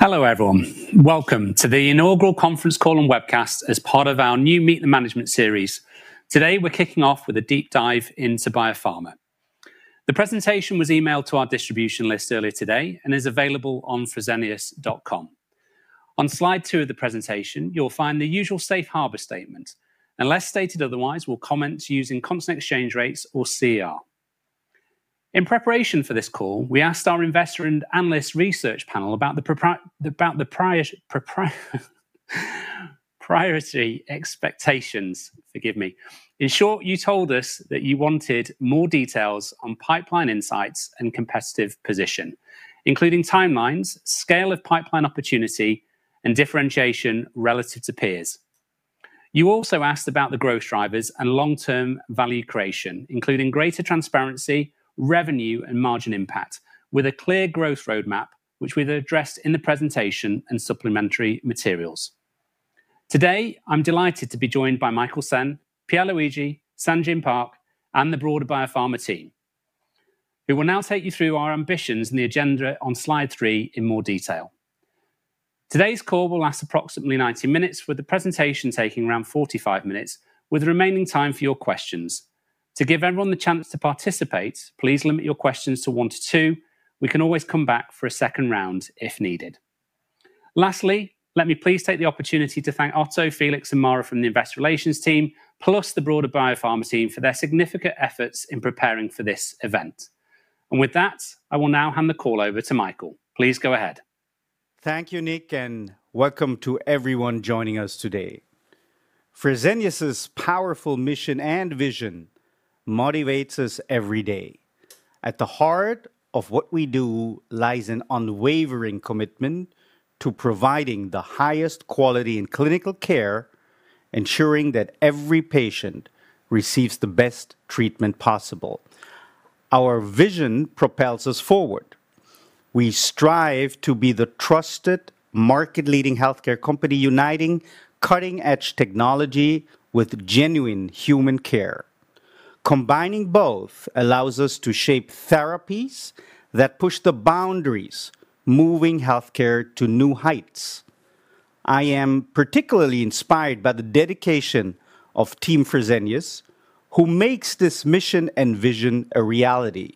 Hello everyone. Welcome to the inaugural conference call and webcast as part of our new Meet the Management series. Today we're kicking off with a deep dive into biopharma. The presentation was emailed to our distribution list earlier today and is available on fresenius.com. On slide two of the presentation, you'll find the usual Safe Harbor Statement. Unless stated otherwise, we'll comment using constant exchange rates or CER. In preparation for this call, we asked our investor and analyst research panel about the priority expectations. Forgive me. In short, you told us that you wanted more details on pipeline insights and competitive position, including timelines, scale of pipeline opportunity, and differentiation relative to peers. You also asked about the growth drivers and long-term value creation, including greater transparency, revenue, and margin impact with a clear growth roadmap, which we've addressed in the presentation and supplementary materials. Today, I'm delighted to be joined by Michael Sen, Pierluigi Antonelli, Sang-Jin Pak, and the broader biopharma team. We will now take you through our ambitions and the agenda on slide three in more detail. Today's call will last approximately 90 minutes, with the presentation taking around 45 minutes, with the remaining time for your questions. To give everyone the chance to participate, please limit your questions to one to two. We can always come back for a second round if needed. Lastly, let me please take the opportunity to thank Otto, Felix, and Mara from the investor relations team, plus the broader biopharma team for their significant efforts in preparing for this event. And with that, I will now hand the call over to Michael. Please go ahead. Thank you, Nick, and welcome to everyone joining us today. Fresenius' powerful mission and vision motivates us every day. At the heart of what we do lies an unwavering commitment to providing the highest quality in clinical care, ensuring that every patient receives the best treatment possible. Our vision propels us forward. We strive to be the trusted, market-leading healthcare company uniting cutting-edge technology with genuine human care. Combining both allows us to shape therapies that push the boundaries, moving healthcare to new heights. I am particularly inspired by the dedication of Team Fresenius, who makes this mission and vision a reality.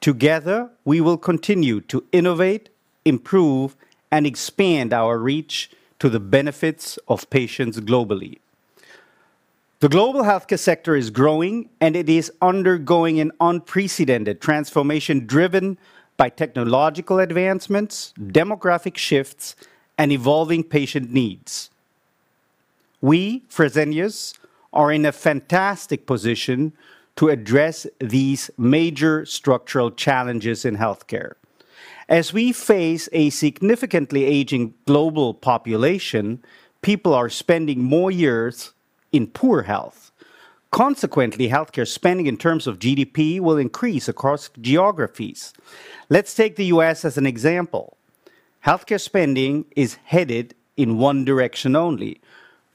Together, we will continue to innovate, improve, and expand our reach to the benefits of patients globally. The global healthcare sector is growing, and it is undergoing an unprecedented transformation driven by technological advancements, demographic shifts, and evolving patient needs. We, Fresenius, are in a fantastic position to address these major structural challenges in healthcare. As we face a significantly aging global population, people are spending more years in poor health. Consequently, healthcare spending in terms of GDP will increase across geographies. Let's take the U.S. as an example. Healthcare spending is headed in one direction only,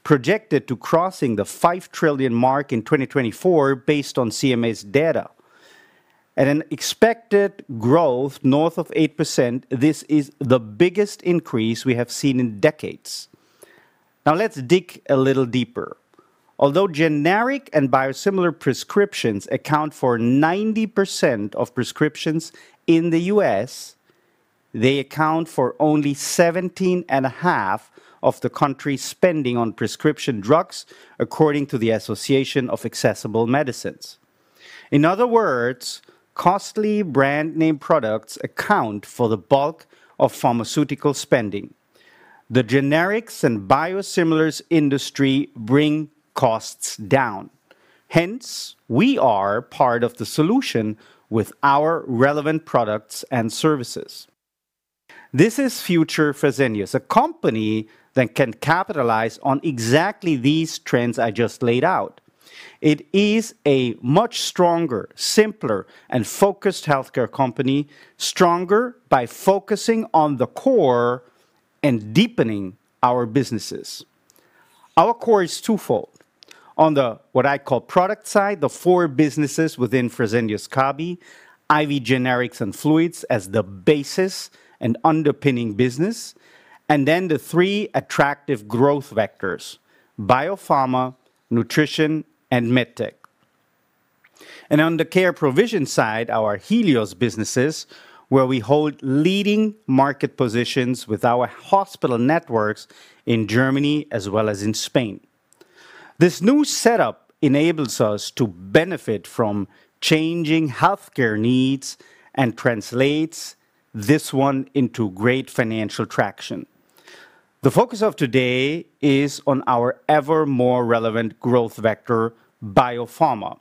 projected to cross the $5 trillion mark in 2024 based on CMS's data. At an expected growth north of 8%, this is the biggest increase we have seen in decades. Now, let's dig a little deeper. Although generic and biosimilar prescriptions account for 90% of prescriptions in the U.S., they account for only 17.5% of the country's spending on prescription drugs, according to the Association for Accessible Medicines. In other words, costly brand-name products account for the bulk of pharmaceutical spending. The generics and biosimilars industry bring costs down. Hence, we are part of the solution with our relevant products and services. This is Future Fresenius, a company that can capitalize on exactly these trends I just laid out. It is a much stronger, simpler, and focused healthcare company, stronger by focusing on the core and deepening our businesses. Our core is twofold. On the what I call product side, the four businesses within Fresenius Kabi, IV Generics and Fluids as the basis and underpinning business, and then the three attractive growth vectors: biopharma, nutrition, and medtech. And on the care provision side, our Helios businesses, where we hold leading market positions with our hospital networks in Germany as well as in Spain. This new setup enables us to benefit from changing healthcare needs and translates this one into great financial traction. The focus of today is on our ever more relevant growth vector, biopharma.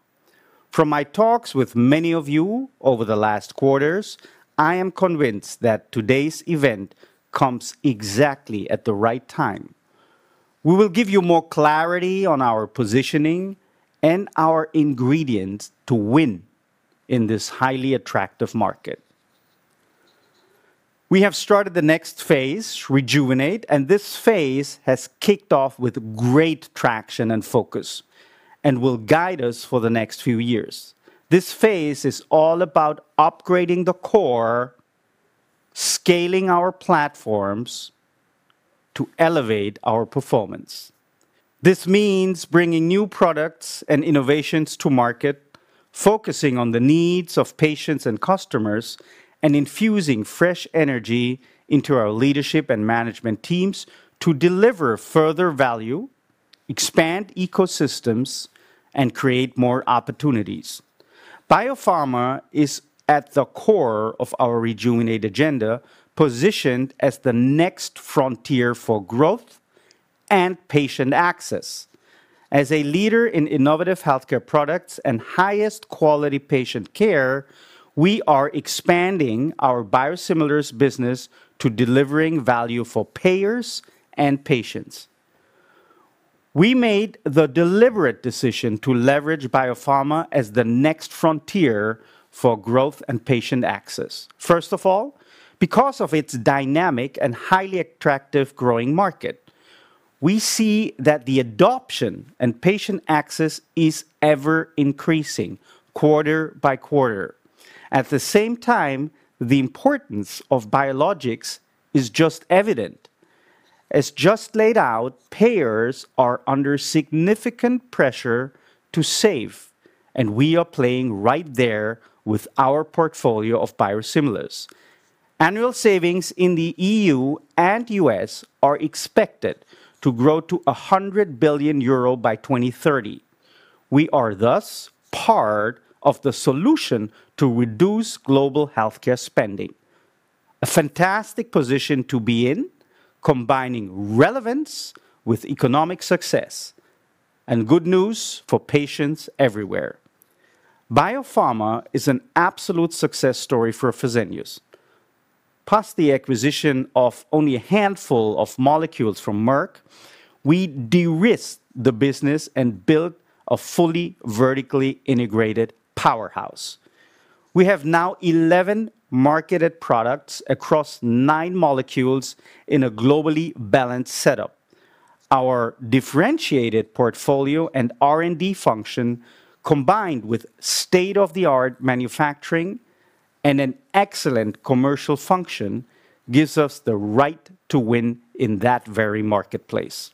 From my talks with many of you over the last quarters, I am convinced that today's event comes exactly at the right time. We will give you more clarity on our positioning and our ingredients to win in this highly attractive market. We have started the next phase, Rejuvenate, and this phase has kicked off with great traction and focus and will guide us for the next few years. This phase is all about upgrading the core, scaling our platforms to elevate our performance. This means bringing new products and innovations to market, focusing on the needs of patients and customers, and infusing fresh energy into our leadership and management teams to deliver further value, expand ecosystems, and create more opportunities. Biopharma is at the core of our Rejuvenate agenda, positioned as the next frontier for growth and patient access. As a leader in innovative healthcare products and highest quality patient care, we are expanding our biosimilars business to delivering value for payers and patients. We made the deliberate decision to leverage biopharma as the next frontier for growth and patient access. First of all, because of its dynamic and highly attractive growing market, we see that the adoption and patient access is ever increasing quarter-by-quarter. At the same time, the importance of biologics is just evident. As just laid out, payers are under significant pressure to save, and we are playing right there with our portfolio of biosimilars. Annual savings in the E.U. and U.S. are expected to grow to 100 billion euro by 2030. We are thus part of the solution to reduce global healthcare spending. A fantastic position to be in, combining relevance with economic success and good news for patients everywhere. Biopharma is an absolute success story for Fresenius. Post the acquisition of only a handful of molecules from Merck, we de-risked the business and built a fully vertically integrated powerhouse. We have now 11 marketed products across nine molecules in a globally balanced setup. Our differentiated portfolio and R&D function, combined with state-of-the-art manufacturing and an excellent commercial function, gives us the right to win in that very marketplace.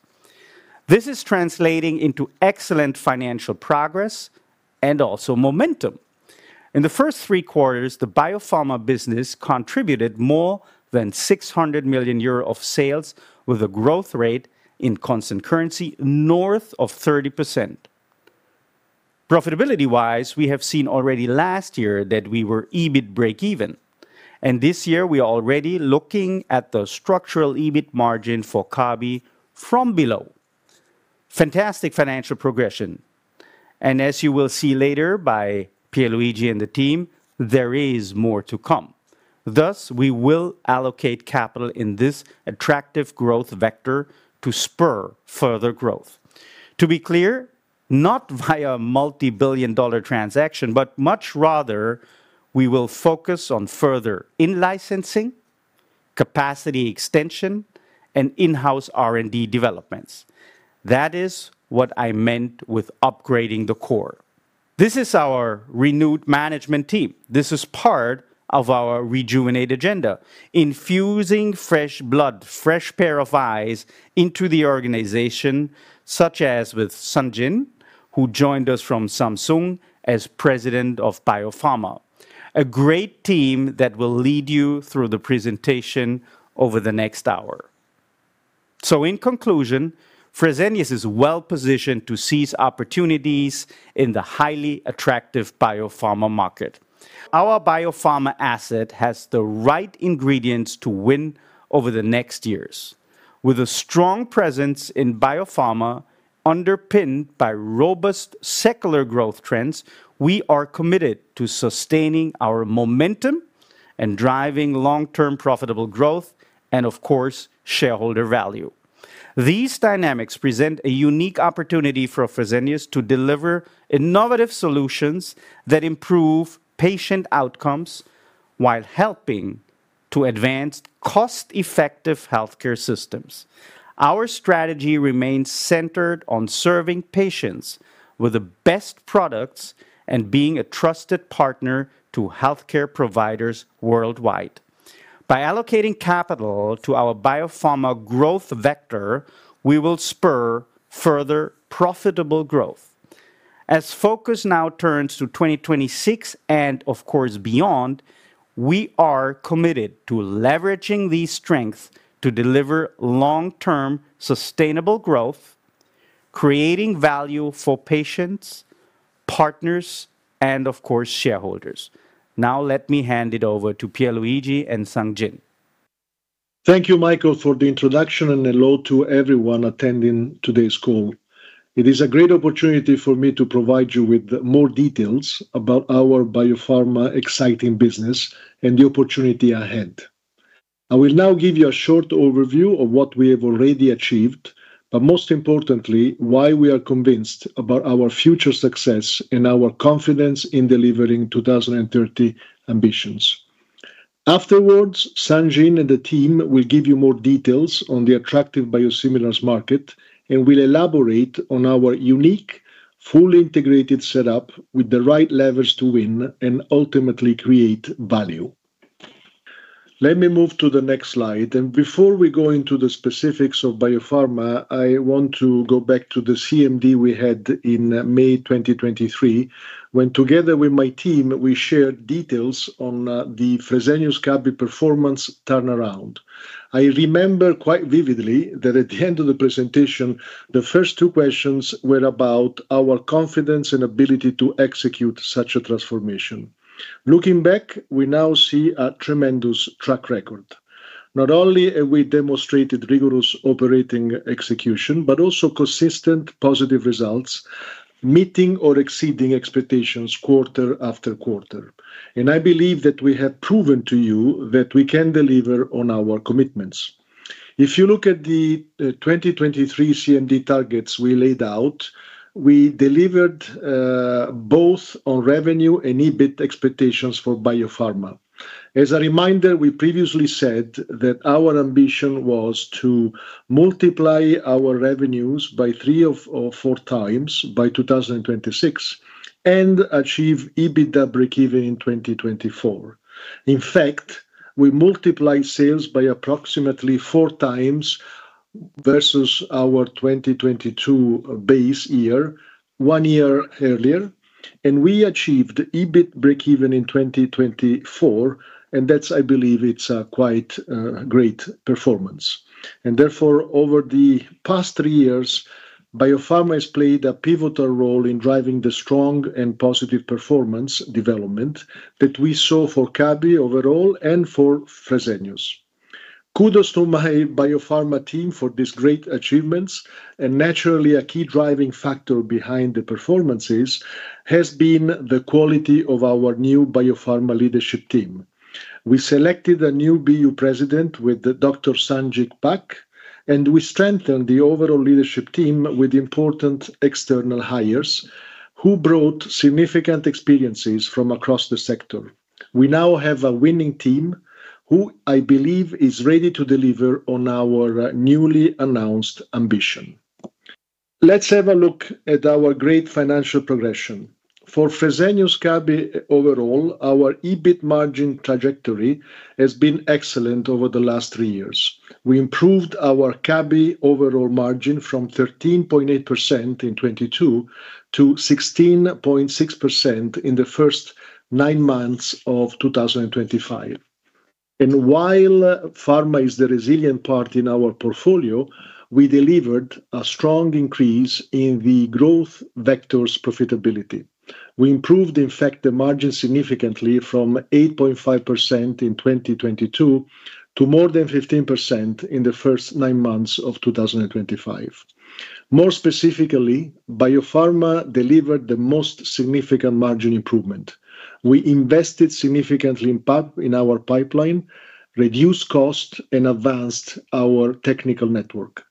This is translating into excellent financial progress and also momentum. In the first three quarters, the biopharma business contributed more than 600 million euro of sales, with a growth rate in constant currency north of 30%. Profitability-wise, we have seen already last year that we were EBIT break-even, and this year we are already looking at the structural EBIT margin for Kabi from below. Fantastic financial progression. As you will see later by Pierluigi and the team, there is more to come. Thus, we will allocate capital in this attractive growth vector to spur further growth. To be clear, not via multi-billion dollar transaction, but much rather, we will focus on further in-licensing, capacity extension, and in-house R&D developments. That is what I meant with upgrading the core. This is our renewed management team. This is part of our Rejuvenate agenda, infusing fresh blood, fresh pair of eyes into the organization, such as with Sang-Jin, who joined us from Samsung as president of Biopharma. A great team that will lead you through the presentation over the next hour. In conclusion, Fresenius is well positioned to seize opportunities in the highly attractive biopharma market. Our biopharma asset has the right ingredients to win over the next years. With a strong presence in biopharma underpinned by robust secular growth trends, we are committed to sustaining our momentum and driving long-term profitable growth and, of course, shareholder value. These dynamics present a unique opportunity for Fresenius to deliver innovative solutions that improve patient outcomes while helping to advance cost-effective healthcare systems. Our strategy remains centered on serving patients with the best products and being a trusted partner to healthcare providers worldwide. By allocating capital to our biopharma growth vector, we will spur further profitable growth. As focus now turns to 2026 and, of course, beyond, we are committed to leveraging these strengths to deliver long-term sustainable growth, creating value for patients, partners, and, of course, shareholders. Now, let me hand it over to Pierluigi and Sang-Jin. Thank you, Michael, for the introduction and hello to everyone attending today's call. It is a great opportunity for me to provide you with more details about our biopharma exciting business and the opportunity ahead. I will now give you a short overview of what we have already achieved, but most importantly, why we are convinced about our future success and our confidence in delivering 2030 ambitions. Afterwards, Sang-Jin and the team will give you more details on the attractive biosimilars market and will elaborate on our unique, fully integrated setup with the right levers to win and ultimately create value. Let me move to the next slide, and before we go into the specifics of biopharma, I want to go back to the CMD we had in May 2023, when together with my team, we shared details on the Fresenius Kabi performance turnaround. I remember quite vividly that at the end of the presentation, the first two questions were about our confidence and ability to execute such a transformation. Looking back, we now see a tremendous track record. Not only have we demonstrated rigorous operating execution, but also consistent positive results, meeting or exceeding expectations quarter-after-quarter, and I believe that we have proven to you that we can deliver on our commitments. If you look at the 2023 CMD targets we laid out, we delivered both on revenue and EBIT expectations for biopharma. As a reminder, we previously said that our ambition was to multiply our revenues by three or four times by 2026 and achieve EBITDA break-even in 2024. In fact, we multiplied sales by approximately 4x versus our 2022 base year, one year earlier, and we achieved EBIT break-even in 2024. And that's, I believe, it's a quite great performance. And therefore, over the past three years, biopharma has played a pivotal role in driving the strong and positive performance development that we saw for Kabi overall and for Fresenius. Kudos to my biopharma team for these great achievements. And naturally, a key driving factor behind the performances has been the quality of our new biopharma leadership team. We selected a new BU president with Dr. Sang-Jin Pak, and we strengthened the overall leadership team with important external hires who brought significant experiences from across the sector. We now have a winning team who I believe is ready to deliver on our newly announced ambition. Let's have a look at our great financial progression. For Fresenius Kabi overall, our EBIT margin trajectory has been excellent over the last three years. We improved our Kabi overall margin from 13.8% in 2022 to 16.6% in the first nine months of 2025. And while pharma is the resilient part in our portfolio, we delivered a strong increase in the growth vector's profitability. We improved, in fact, the margin significantly from 8.5% in 2022 to more than 15% in the first nine months of 2025. More specifically, biopharma delivered the most significant margin improvement. We invested significantly in our pipeline, reduced costs, and advanced our technical network.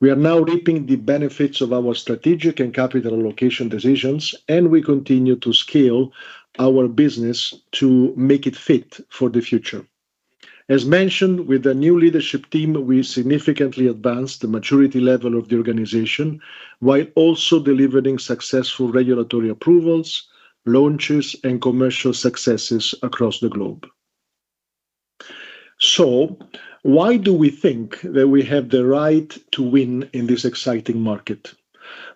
We are now reaping the benefits of our strategic and capital allocation decisions, and we continue to scale our business to make it fit for the future. As mentioned, with the new leadership team, we significantly advanced the maturity level of the organization while also delivering successful regulatory approvals, launches, and commercial successes across the globe. So why do we think that we have the right to win in this exciting market?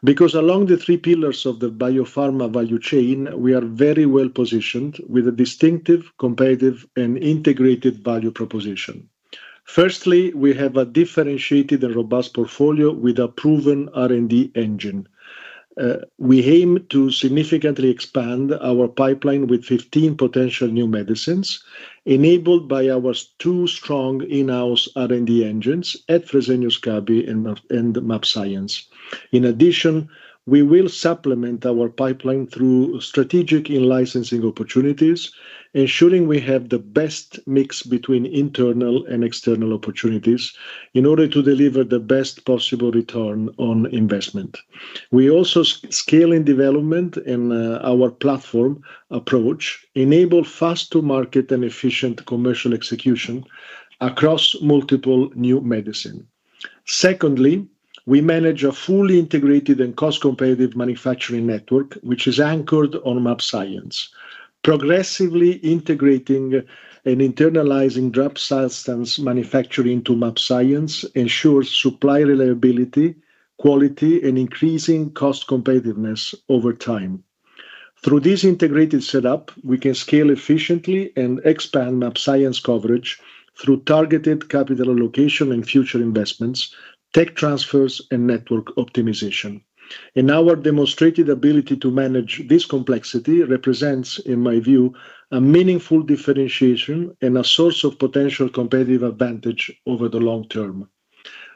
Because along the three pillars of the biopharma value chain, we are very well positioned with a distinctive, competitive, and integrated value proposition. Firstly, we have a differentiated and robust portfolio with a proven R&D engine. We aim to significantly expand our pipeline with 15 potential new medicines enabled by our two strong in-house R&D engines at Fresenius Kabi and mAbxience. In addition, we will supplement our pipeline through strategic in-licensing opportunities, ensuring we have the best mix between internal and external opportunities in order to deliver the best possible return on investment. We also scale in development and our platform approach enables fast-to-market and efficient commercial execution across multiple new medicines. Secondly, we manage a fully integrated and cost-competitive manufacturing network, which is anchored on mAbxience. Progressively integrating and internalizing drug substance manufacturing to mAbxience ensures supply reliability, quality, and increasing cost-competitiveness over time. Through this integrated setup, we can scale efficiently and expand mAbxience coverage through targeted capital allocation and future investments, tech transfers, and network optimization. And our demonstrated ability to manage this complexity represents, in my view, a meaningful differentiation and a source of potential competitive advantage over the long-term.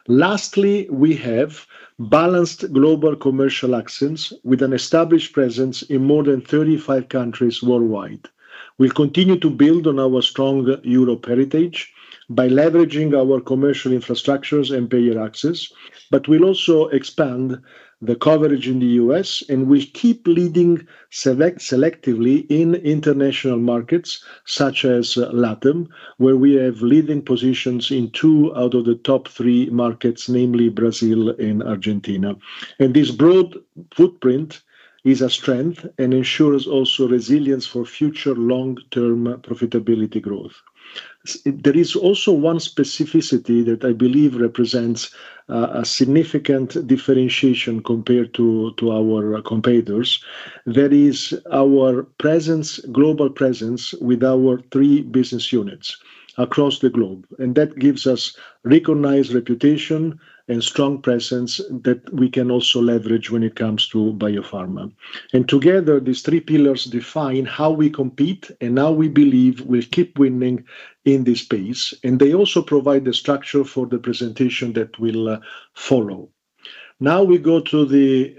Lastly, we have balanced global commercial access with an established presence in more than 35 countries worldwide. We'll continue to build on our strong Europe heritage by leveraging our commercial infrastructures and payer access, but we'll also expand the coverage in the U.S. and will keep leading selectively in international markets such as LATAM, where we have leading positions in two out of the top three markets, namely Brazil and Argentina. And this broad footprint is a strength and ensures also resilience for future long-term profitability growth. There is also one specificity that I believe represents a significant differentiation compared to our competitors. That is our presence, global presence with our three business units across the globe. And that gives us recognized reputation and strong presence that we can also leverage when it comes to biopharma. And together, these three pillars define how we compete and how we believe we'll keep winning in this space. And they also provide the structure for the presentation that we'll follow. Now we go to the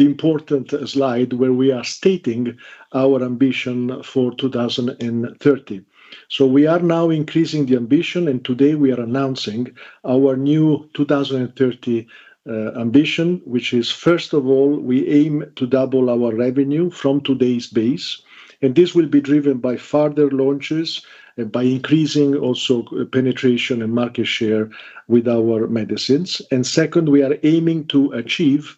important slide where we are stating our ambition for 2030. We are now increasing the ambition, and today we are announcing our new 2030 ambition, which is, first of all, we aim to double our revenue from today's base, and this will be driven by further launches and by increasing also penetration and market share with our medicines. Second, we are aiming to achieve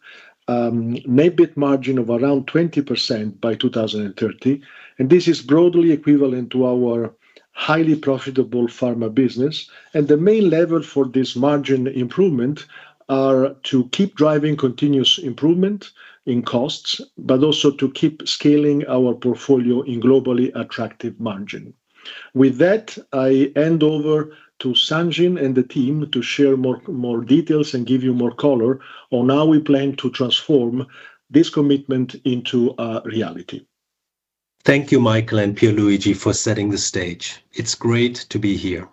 net margin of around 20% by 2030. This is broadly equivalent to our highly profitable pharma business. The main lever for this margin improvement is to keep driving continuous improvement in costs, but also to keep scaling our portfolio in globally attractive margins. With that, I hand over to Sang-Jin and the team to share more details and give you more color on how we plan to transform this commitment into a reality. Thank you, Michael and Pierluigi, for setting the stage. It's great to be here.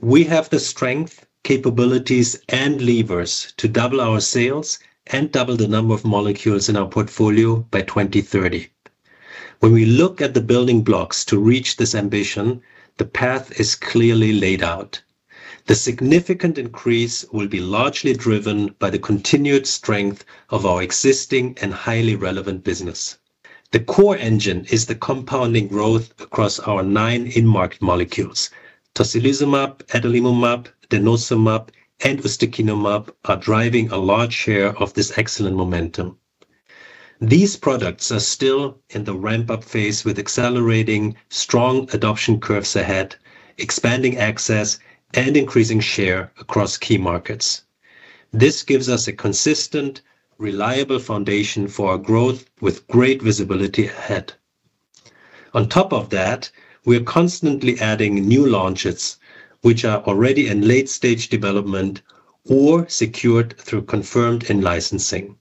We have the strength, capabilities, and levers to double our sales and double the number of molecules in our portfolio by 2030. When we look at the building blocks to reach this ambition, the path is clearly laid out. The significant increase will be largely driven by the continued strength of our existing and highly relevant business. The core engine is the compounding growth across our nine in-market molecules. Tocilizumab, adalimumab, denosumab, and ustekinumab are driving a large share of this excellent momentum. These products are still in the ramp-up phase with accelerating strong adoption curves ahead, expanding access, and increasing share across key markets. This gives us a consistent, reliable foundation for our growth with great visibility ahead. On top of that, we are constantly adding new launches, which are already in late-stage development or secured through confirmed in-licensing.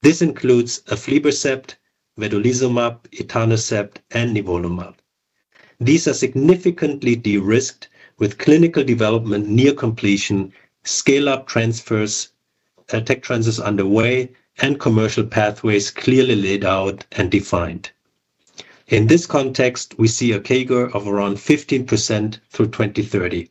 This includes aflibercept, vedolizumab, etanercept, and nivolumab. These are significantly de-risked with clinical development near completion, scale-up transfers, tech transfers underway, and commercial pathways clearly laid out and defined. In this context, we see a CAGR of around 15% through 2030.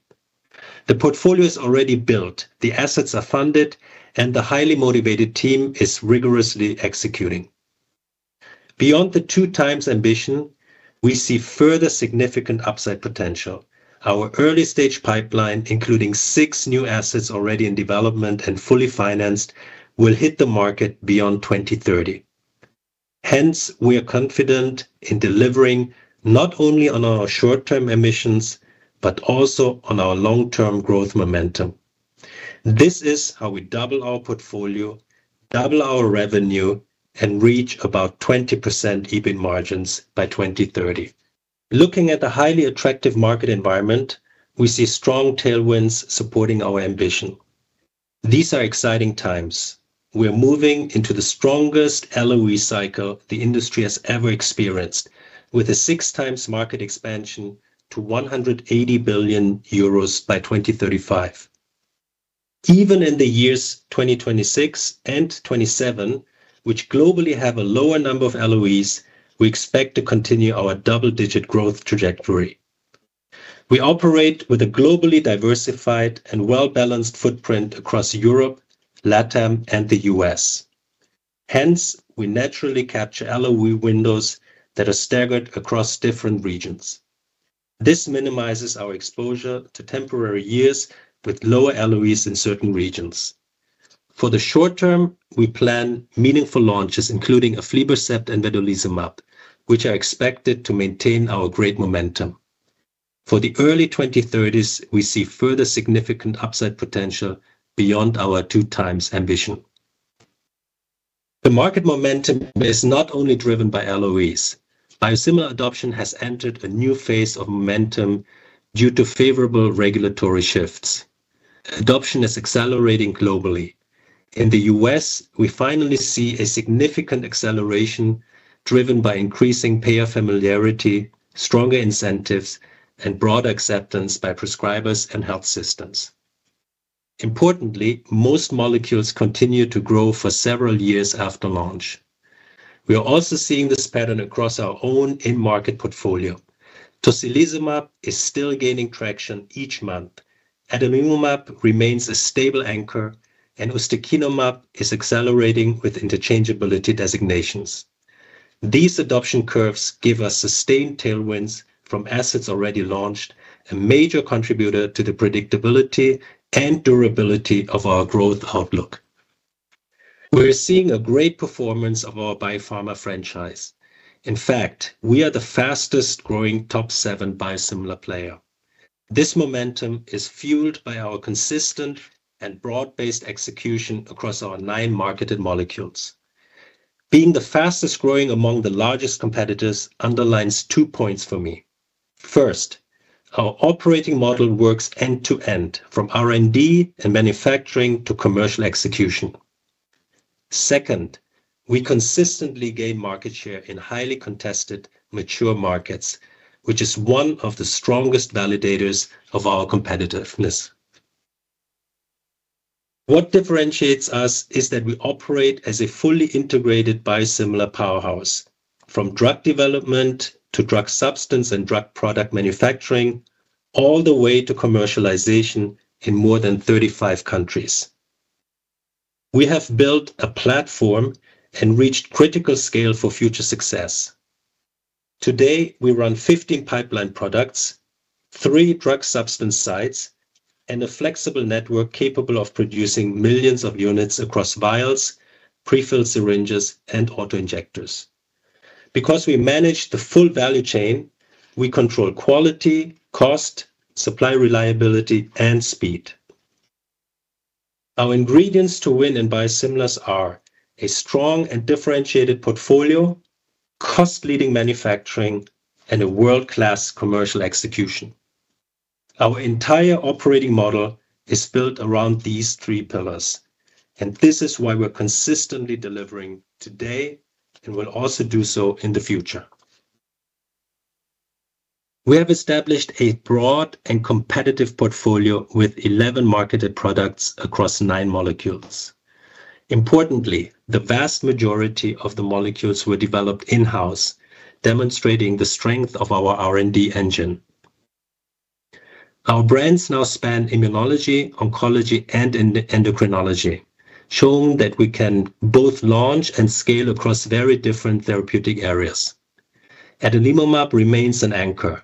The portfolio is already built, the assets are funded, and the highly motivated team is rigorously executing. Beyond the two-times ambition, we see further significant upside potential. Our early-stage pipeline, including six new assets already in development and fully financed, will hit the market beyond 2030. Hence, we are confident in delivering not only on our short-term ambitions, but also on our long-term growth momentum. This is how we double our portfolio, double our revenue, and reach about 20% EBIT margins by 2030. Looking at a highly attractive market environment, we see strong tailwinds supporting our ambition. These are exciting times. We are moving into the strongest LOE cycle the industry has ever experienced, with a six-times market expansion to 180 billion euros by 2035. Even in the years 2026 and 2027, which globally have a lower number of LOEs, we expect to continue our double-digit growth trajectory. We operate with a globally diversified and well-balanced footprint across Europe, LATAM, and the U.S.. Hence, we naturally capture LOE windows that are staggered across different regions. This minimizes our exposure to temporary years with lower LOEs in certain regions. For the short term, we plan meaningful launches, including aflibercept and vedolizumab, which are expected to maintain our great momentum. For the early 2030s, we see further significant upside potential beyond our two-times ambition. The market momentum is not only driven by LOEs. Biosimilar adoption has entered a new phase of momentum due to favorable regulatory shifts. Adoption is accelerating globally. In the U.S., we finally see a significant acceleration driven by increasing payer familiarity, stronger incentives, and broader acceptance by prescribers and health systems. Importantly, most molecules continue to grow for several years after launch. We are also seeing this pattern across our own in-market portfolio. Tocilizumab is still gaining traction each month. Adalimumab remains a stable anchor, and ustekinumab is accelerating with interchangeability designations. These adoption curves give us sustained tailwinds from assets already launched, a major contributor to the predictability and durability of our growth outlook. We're seeing a great performance of our biopharma franchise. In fact, we are the fastest-growing top seven biosimilar player. This momentum is fueled by our consistent and broad-based execution across our nine marketed molecules. Being the fastest-growing among the largest competitors underlines two points for me. First, our operating model works end-to-end, from R&D and manufacturing to commercial execution. Second, we consistently gain market share in highly contested mature markets, which is one of the strongest validators of our competitiveness. What differentiates us is that we operate as a fully integrated biosimilar powerhouse, from drug development to drug substance and drug product manufacturing, all the way to commercialization in more than 35 countries. We have built a platform and reached critical scale for future success. Today, we run 15 pipeline products, three drug substance sites, and a flexible network capable of producing millions of units across vials, prefilled syringes, and autoinjectors. Because we manage the full value chain, we control quality, cost, supply reliability, and speed. Our ingredients to win in biosimilars are a strong and differentiated portfolio, cost-leading manufacturing, and a world-class commercial execution. Our entire operating model is built around these three pillars, and this is why we're consistently delivering today and will also do so in the future. We have established a broad and competitive portfolio with 11 marketed products across nine molecules. Importantly, the vast majority of the molecules were developed in-house, demonstrating the strength of our R&D engine. Our brands now span immunology, oncology, and endocrinology, showing that we can both launch and scale across very different therapeutic areas. Adalimumab remains an anchor.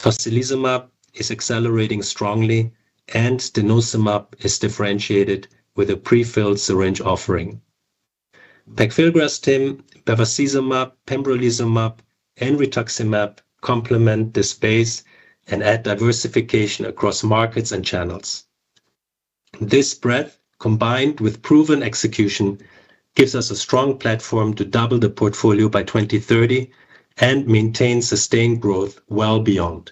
Tocilizumab is accelerating strongly, and denosumab is differentiated with a prefilled syringe offering. Pegfilgrastim, etanercept, bevacizumab, pembrolizumab, and rituximab complement this base and add diversification across markets and channels. This breadth, combined with proven execution, gives us a strong platform to double the portfolio by 2030 and maintain sustained growth well beyond.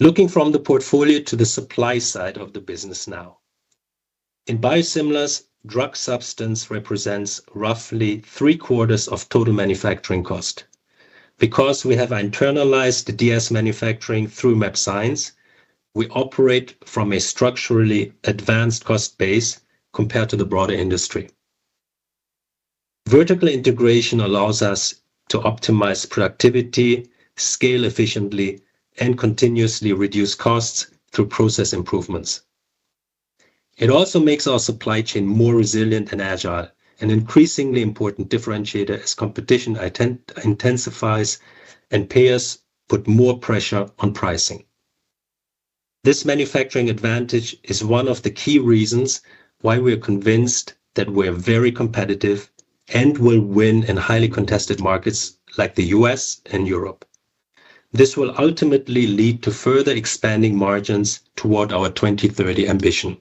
Looking from the portfolio to the supply side of the business now. In biosimilars, drug substance represents roughly three-quarters of total manufacturing cost. Because we have internalized the DS manufacturing through mAbxience, we operate from a structurally advanced cost base compared to the broader industry. Vertical integration allows us to optimize productivity, scale efficiently, and continuously reduce costs through process improvements. It also makes our supply chain more resilient and agile, an increasingly important differentiator as competition intensifies and payers put more pressure on pricing. This manufacturing advantage is one of the key reasons why we are convinced that we are very competitive and will win in highly contested markets like the U.S. and Europe. This will ultimately lead to further expanding margins toward our 2030 ambition.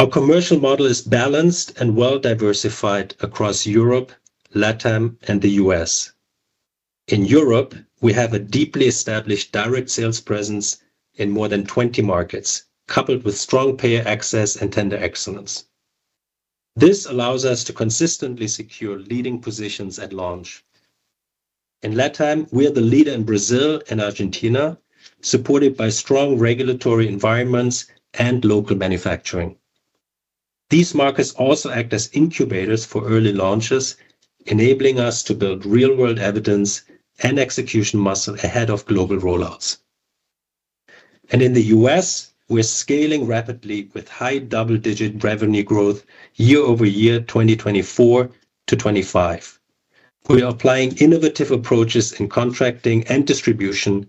Our commercial model is balanced and well-diversified across Europe, LATAM, and the U.S.. In Europe, we have a deeply established direct sales presence in more than 20 markets, coupled with strong payer access and tender excellence. This allows us to consistently secure leading positions at launch. In LATAM, we are the leader in Brazil and Argentina, supported by strong regulatory environments and local manufacturing. These markets also act as incubators for early launches, enabling us to build real-world evidence and execution muscle ahead of global rollouts, and in the U.S., we're scaling rapidly with high double-digit revenue growth year-over-year, 2024 to 2025. We are applying innovative approaches in contracting and distribution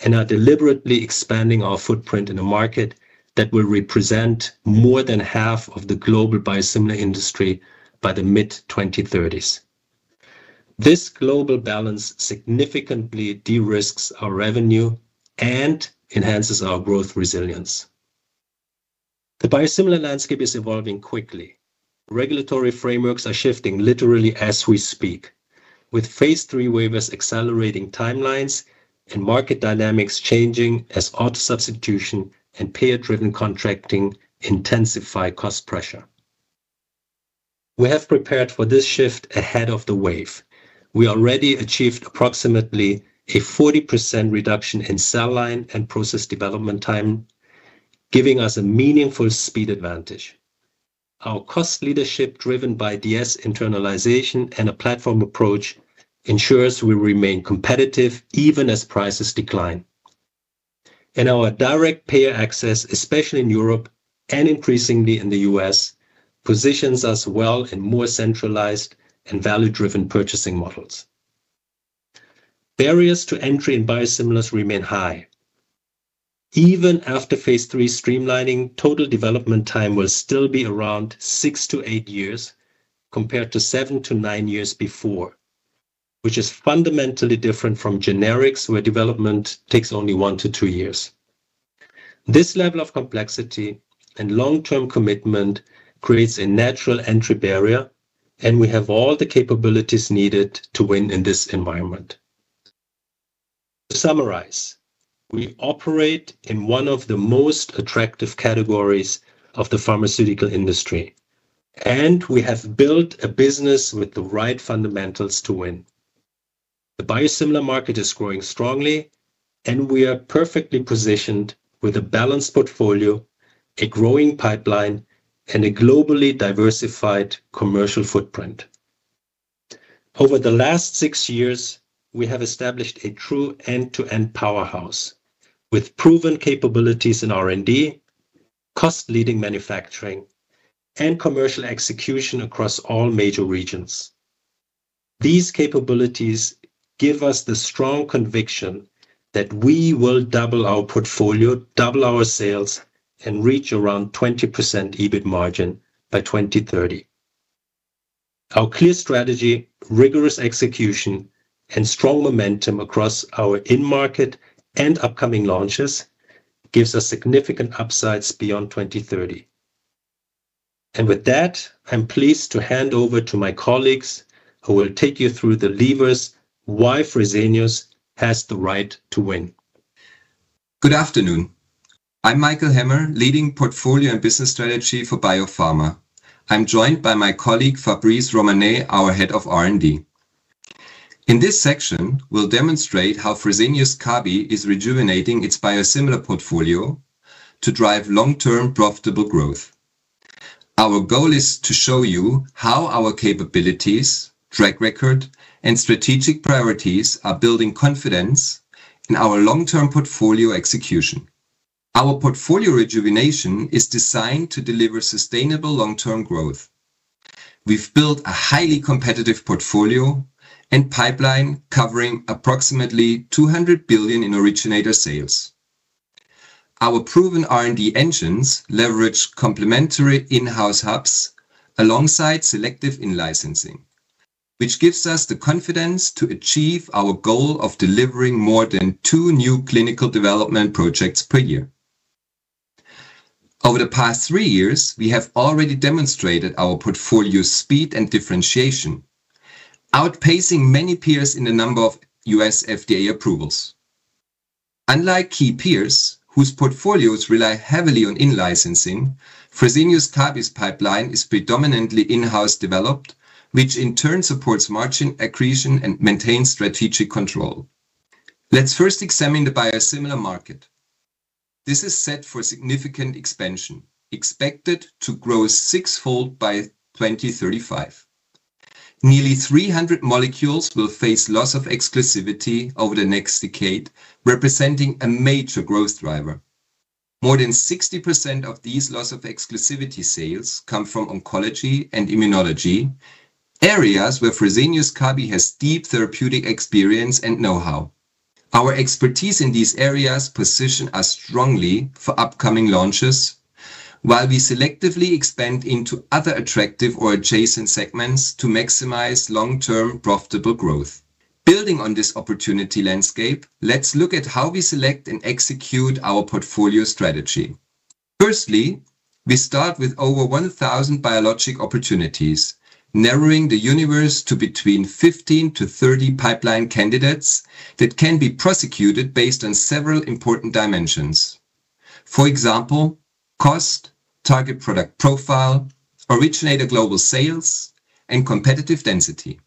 and are deliberately expanding our footprint in a market that will represent more than half of the global biosimilar industry by the mid-2030s. This global balance significantly de-risks our revenue and enhances our growth resilience. The biosimilar landscape is evolving quickly. Regulatory frameworks are shifting literally as we speak, with Phase III waivers accelerating timelines and market dynamics changing as auto substitution and payer-driven contracting intensify cost pressure. We have prepared for this shift ahead of the wave. We already achieved approximately a 40% reduction in cell line and process development time, giving us a meaningful speed advantage. Our cost leadership, driven by DS internalization and a platform approach, ensures we remain competitive even as prices decline. And our direct payer access, especially in Europe and increasingly in the U.S., positions us well in more centralized and value-driven purchasing models. Barriers to entry in biosimilars remain high. Even after Phase III streamlining, total development time will still be around 6-8 years compared to 7-9 years before, which is fundamentally different from generics, where development takes only 1-2 years. This level of complexity and long-term commitment creates a natural entry barrier, and we have all the capabilities needed to win in this environment. To summarize, we operate in one of the most attractive categories of the pharmaceutical industry, and we have built a business with the right fundamentals to win. The biosimilar market is growing strongly, and we are perfectly positioned with a balanced portfolio, a growing pipeline, and a globally diversified commercial footprint. Over the last six years, we have established a true end-to-end powerhouse with proven capabilities in R&D, cost-leading manufacturing, and commercial execution across all major regions. These capabilities give us the strong conviction that we will double our portfolio, double our sales, and reach around 20% EBIT margin by 2030. Our clear strategy, rigorous execution, and strong momentum across our in-market and upcoming launches gives us significant upsides beyond 2030. With that, I'm pleased to hand over to my colleagues who will take you through the levers why Fresenius has the right to wi. Good afternoon. I'm Michael Hemmer, leading portfolio and business strategy for biopharma. I'm joined by my colleague Fabrice Romanet, our head of R&D. In this section, we'll demonstrate how Fresenius Kabi is rejuvenating its biosimilar portfolio to drive long-term profitable growth. Our goal is to show you how our capabilities, track record, and strategic priorities are building confidence in our long-term portfolio execution. Our portfolio rejuvenation is designed to deliver sustainable long-term growth. We've built a highly competitive portfolio and pipeline covering approximately 200 billion in originator sales. Our proven R&D engines leverage complementary in-house hubs alongside selective in-licensing, which gives us the confidence to achieve our goal of delivering more than two new clinical development projects per year. Over the past three years, we have already demonstrated our portfolio's speed and differentiation, outpacing many peers in the number of U.S. FDA approvals. Unlike key peers, whose portfolios rely heavily on in-licensing, Fresenius Kabi's pipeline is predominantly in-house developed, which in turn supports margin accretion and maintains strategic control. Let's first examine the biosimilar market. This is set for significant expansion, expected to grow sixfold by 2035. Nearly 300 molecules will face loss of exclusivity over the next decade, representing a major growth driver. More than 60% of these loss of exclusivity sales come from oncology and immunology, areas where Fresenius Kabi has deep therapeutic experience and know-how. Our expertise in these areas positions us strongly for upcoming launches, while we selectively expand into other attractive or adjacent segments to maximize long-term profitable growth. Building on this opportunity landscape, let's look at how we select and execute our portfolio strategy. Firstly, we start with over 1,000 biologic opportunities, narrowing the universe to between 15-30 pipeline candidates that can be prosecuted based on several important dimensions. For example, cost, target product profile, originator global sales, and competitive density.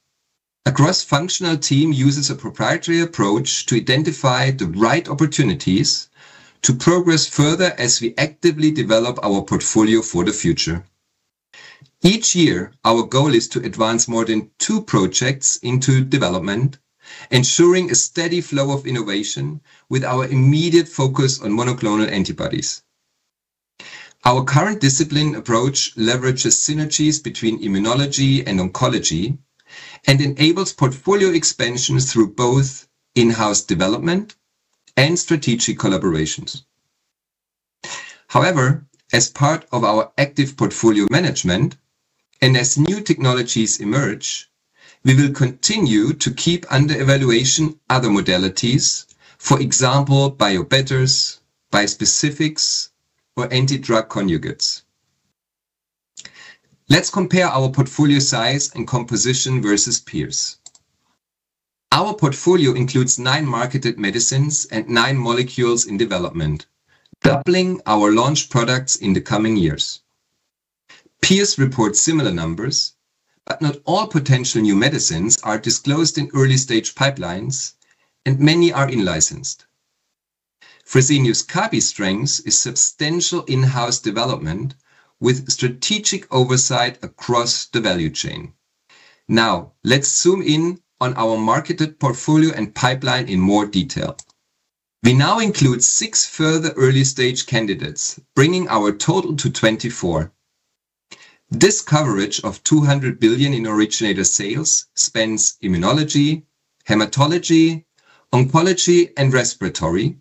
A cross-functional team uses a proprietary approach to identify the right opportunities to progress further as we actively develop our portfolio for the future. Each year, our goal is to advance more than two projects into development, ensuring a steady flow of innovation with our immediate focus on monoclonal antibodies. Our current discipline approach leverages synergies between immunology and oncology and enables portfolio expansion through both in-house development and strategic collaborations. However, as part of our active portfolio management and as new technologies emerge, we will continue to keep under evaluation other modalities, for example, biobetters, bispecifics, or antibody-drug conjugates. Let's compare our portfolio size and composition versus peers. Our portfolio includes nine marketed medicines and nine molecules in development, doubling our launch products in the coming years. Peers report similar numbers, but not all potential new medicines are disclosed in early-stage pipelines, and many are in-licensed. Fresenius Kabi's strength is substantial in-house development with strategic oversight across the value chain. Now, let's zoom in on our marketed portfolio and pipeline in more detail. We now include six further early-stage candidates, bringing our total to 24. This coverage of 200 billion in originator sales spans immunology, hematology, oncology, and respiratory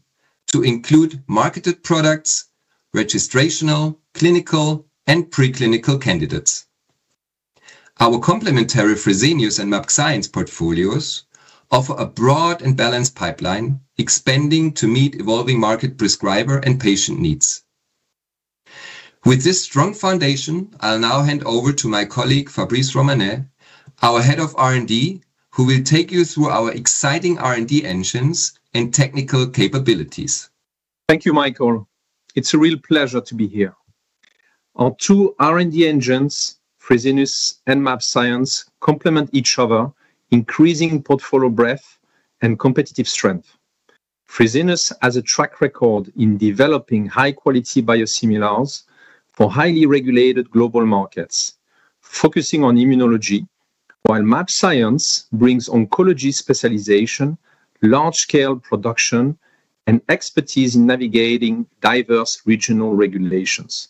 to include marketed products, registrational, clinical, and preclinical candidates. Our complementary Fresenius and mAbxience portfolios offer a broad and balanced pipeline expanding to meet evolving market prescriber and patient needs. With this strong foundation, I'll now hand over to my colleague Fabrice Romanet, our Head of R&D, who will take you through our exciting R&D engines and technical capabilities. Thank you, Michael. It's a real pleasure to be here. Our two R&D engines, Fresenius and mAbxience, complement each other, increasing portfolio breadth and competitive strength. Fresenius has a track record in developing high-quality biosimilars for highly regulated global markets, focusing on immunology, while mAbxience brings oncology specialization, large-scale production, and expertise in navigating diverse regional regulations.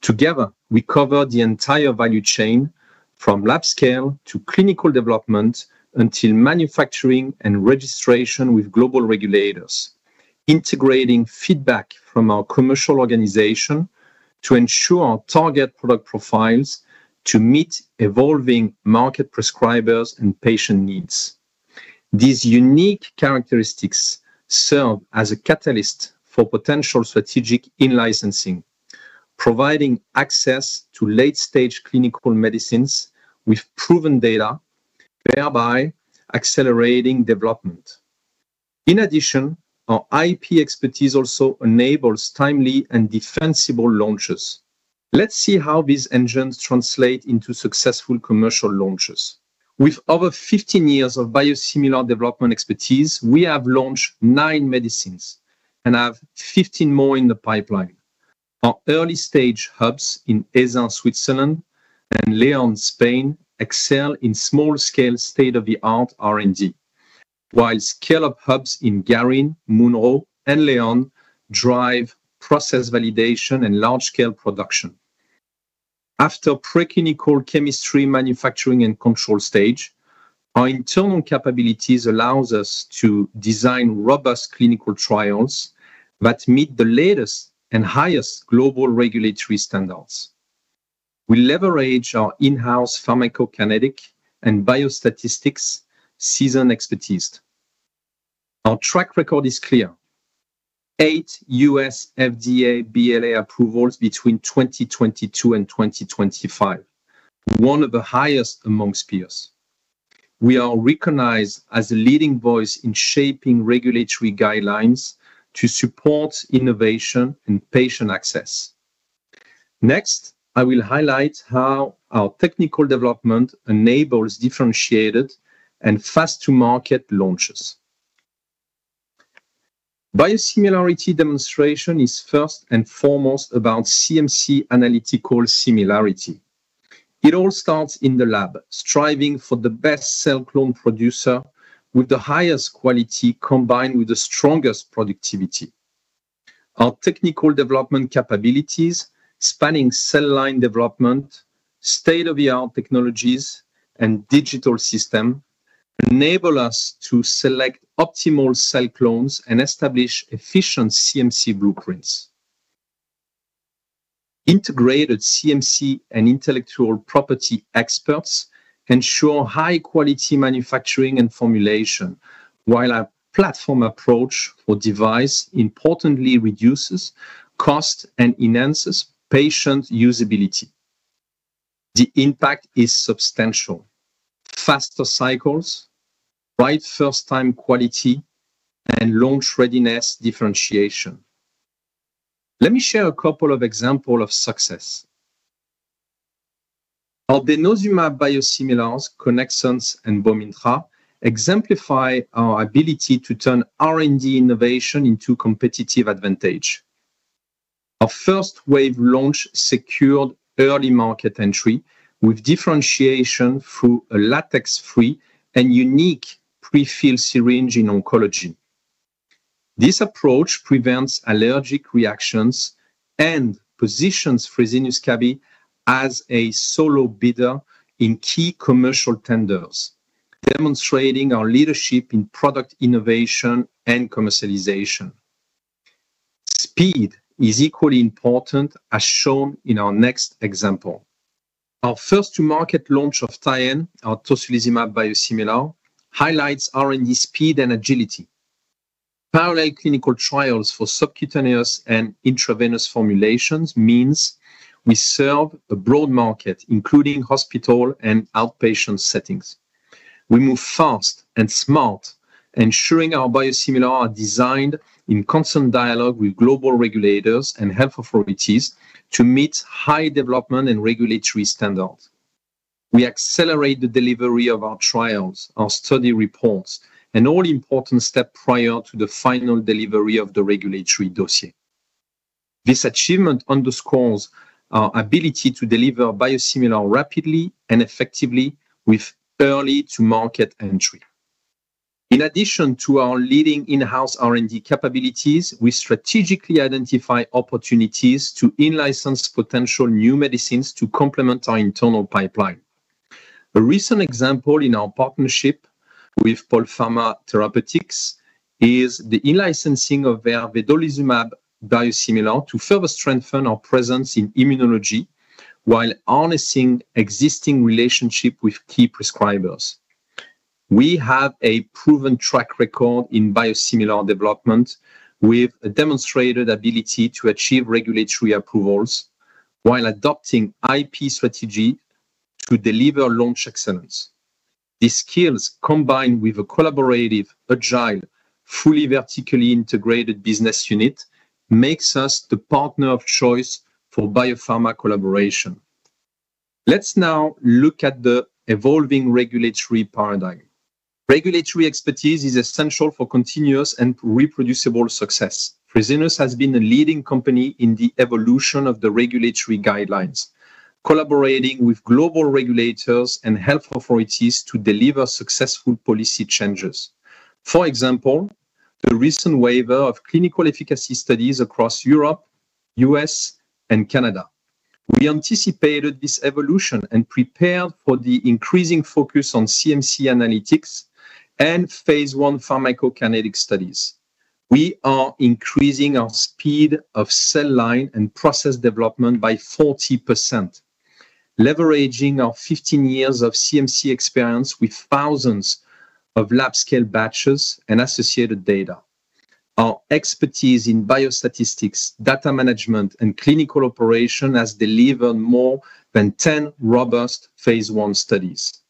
Together, we cover the entire value chain, from lab scale to clinical development until manufacturing and registration with global regulators, integrating feedback from our commercial organization to ensure our target product profiles to meet evolving market prescribers and patient needs. These unique characteristics serve as a catalyst for potential strategic in-licensing, providing access to late-stage clinical medicines with proven data, thereby accelerating development. In addition, our IP expertise also enables timely and defensible launches. Let's see how these engines translate into successful commercial launches. With over 15 years of biosimilar development expertise, we have launched nine medicines and have 15 more in the pipeline. Our early-stage hubs in Eysins, Switzerland, and León, Spain, excel in small-scale state-of-the-art R&D, while scale-up hubs in Garín, Munro, and León drive process validation and large-scale production. After preclinical, chemistry, manufacturing, and control stage, our internal capabilities allow us to design robust clinical trials that meet the latest and highest global regulatory standards. We leverage our in-house pharmacokinetic and biostatistics seasoned expertise. Our track record is clear: eight U.S. FDA/BLA approvals between 2022 and 2025, one of the highest amongst peers. We are recognized as a leading voice in shaping regulatory guidelines to support innovation and patient access. Next, I will highlight how our technical development enables differentiated and fast-to-market launches. Biosimilarity demonstration is first and foremost about CMC analytical similarity. It all starts in the lab, striving for the best cell clone producer with the highest quality combined with the strongest productivity. Our technical development capabilities, spanning cell line development, state-of-the-art technologies, and digital systems, enable us to select optimal cell clones and establish efficient CMC blueprints. Integrated CMC and intellectual property experts ensure high-quality manufacturing and formulation, while a platform approach for device importantly reduces cost and enhances patient usability. The impact is substantial: faster cycles, right first-time quality, and launch readiness differentiation. Let me share a couple of examples of success. Our denosumab biosimilars, Conexxence, and Bomyntra exemplify our ability to turn R&D innovation into competitive advantage. Our first wave launch secured early market entry with differentiation through a latex-free and unique pre-filled syringe in oncology. This approach prevents allergic reactions and positions Fresenius Kabi as a solo bidder in key commercial tenders, demonstrating our leadership in product innovation and commercialization. Speed is equally important, as shown in our next example. Our first-to-market launch of Tyenne, our tocilizumab biosimilar, highlights R&D speed and agility. Parallel clinical trials for subcutaneous and intravenous formulations mean we serve a broad market, including hospital and outpatient settings. We move fast and smart, ensuring our biosimilars are designed in constant dialogue with global regulators and health authorities to meet high development and regulatory standards. We accelerate the delivery of our trials, our study reports, and all important steps prior to the final delivery of the regulatory dossier. This achievement underscores our ability to deliver biosimilars rapidly and effectively with early-to-market entry. In addition to our leading in-house R&D capabilities, we strategically identify opportunities to in-license potential new medicines to complement our internal pipeline. A recent example in our partnership with Polpharma Biologics is the in-licensing of their vedolizumab biosimilar to further strengthen our presence in immunology while harnessing existing relationships with key prescribers. We have a proven track record in biosimilar development with a demonstrated ability to achieve regulatory approvals while adopting IP strategy to deliver launch excellence. These skills, combined with a collaborative, agile, fully vertically integrated business unit, make us the partner of choice for biopharma collaboration. Let's now look at the evolving regulatory paradigm. Regulatory expertise is essential for continuous and reproducible success. Fresenius has been a leading company in the evolution of the regulatory guidelines, collaborating with global regulators and health authorities to deliver successful policy changes. For example, the recent wave of clinical efficacy studies across Europe, the U.S., and Canada. We anticipated this evolution and prepared for the increasing focus on CMC analytics and Phase I pharmacokinetic studies. We are increasing our speed of cell line and process development by 40%, leveraging our 15 years of CMC experience with thousands of lab-scale batches and associated data. Our expertise in biostatistics, data management, and clinical operation has delivered more than 10 robust Phase I studies.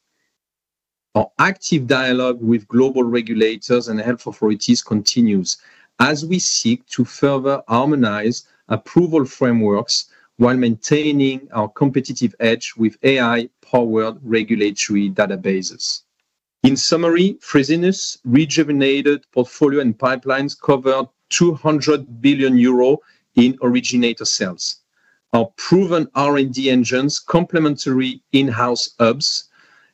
Our active dialogue with global regulators and health authorities continues as we seek to further harmonize approval frameworks while maintaining our competitive edge with AI-powered regulatory databases. In summary, Fresenius' rejuvenated portfolio and pipelines cover 200 billion euro in originator sales. Our proven R&D engines, complementary in-house hubs,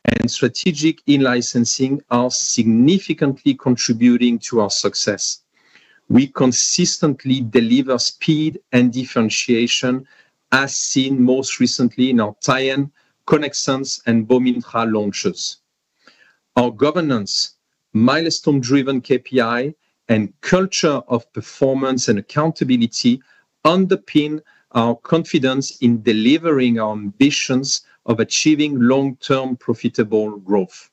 and strategic in-licensing are significantly contributing to our success. We consistently deliver speed and differentiation, as seen most recently in our Tyenne, Conexxence, and Bomyntra launches. Our governance, milestone-driven KPI, and culture of performance and accountability underpin our confidence in delivering our ambitions of achieving long-term profitable growth.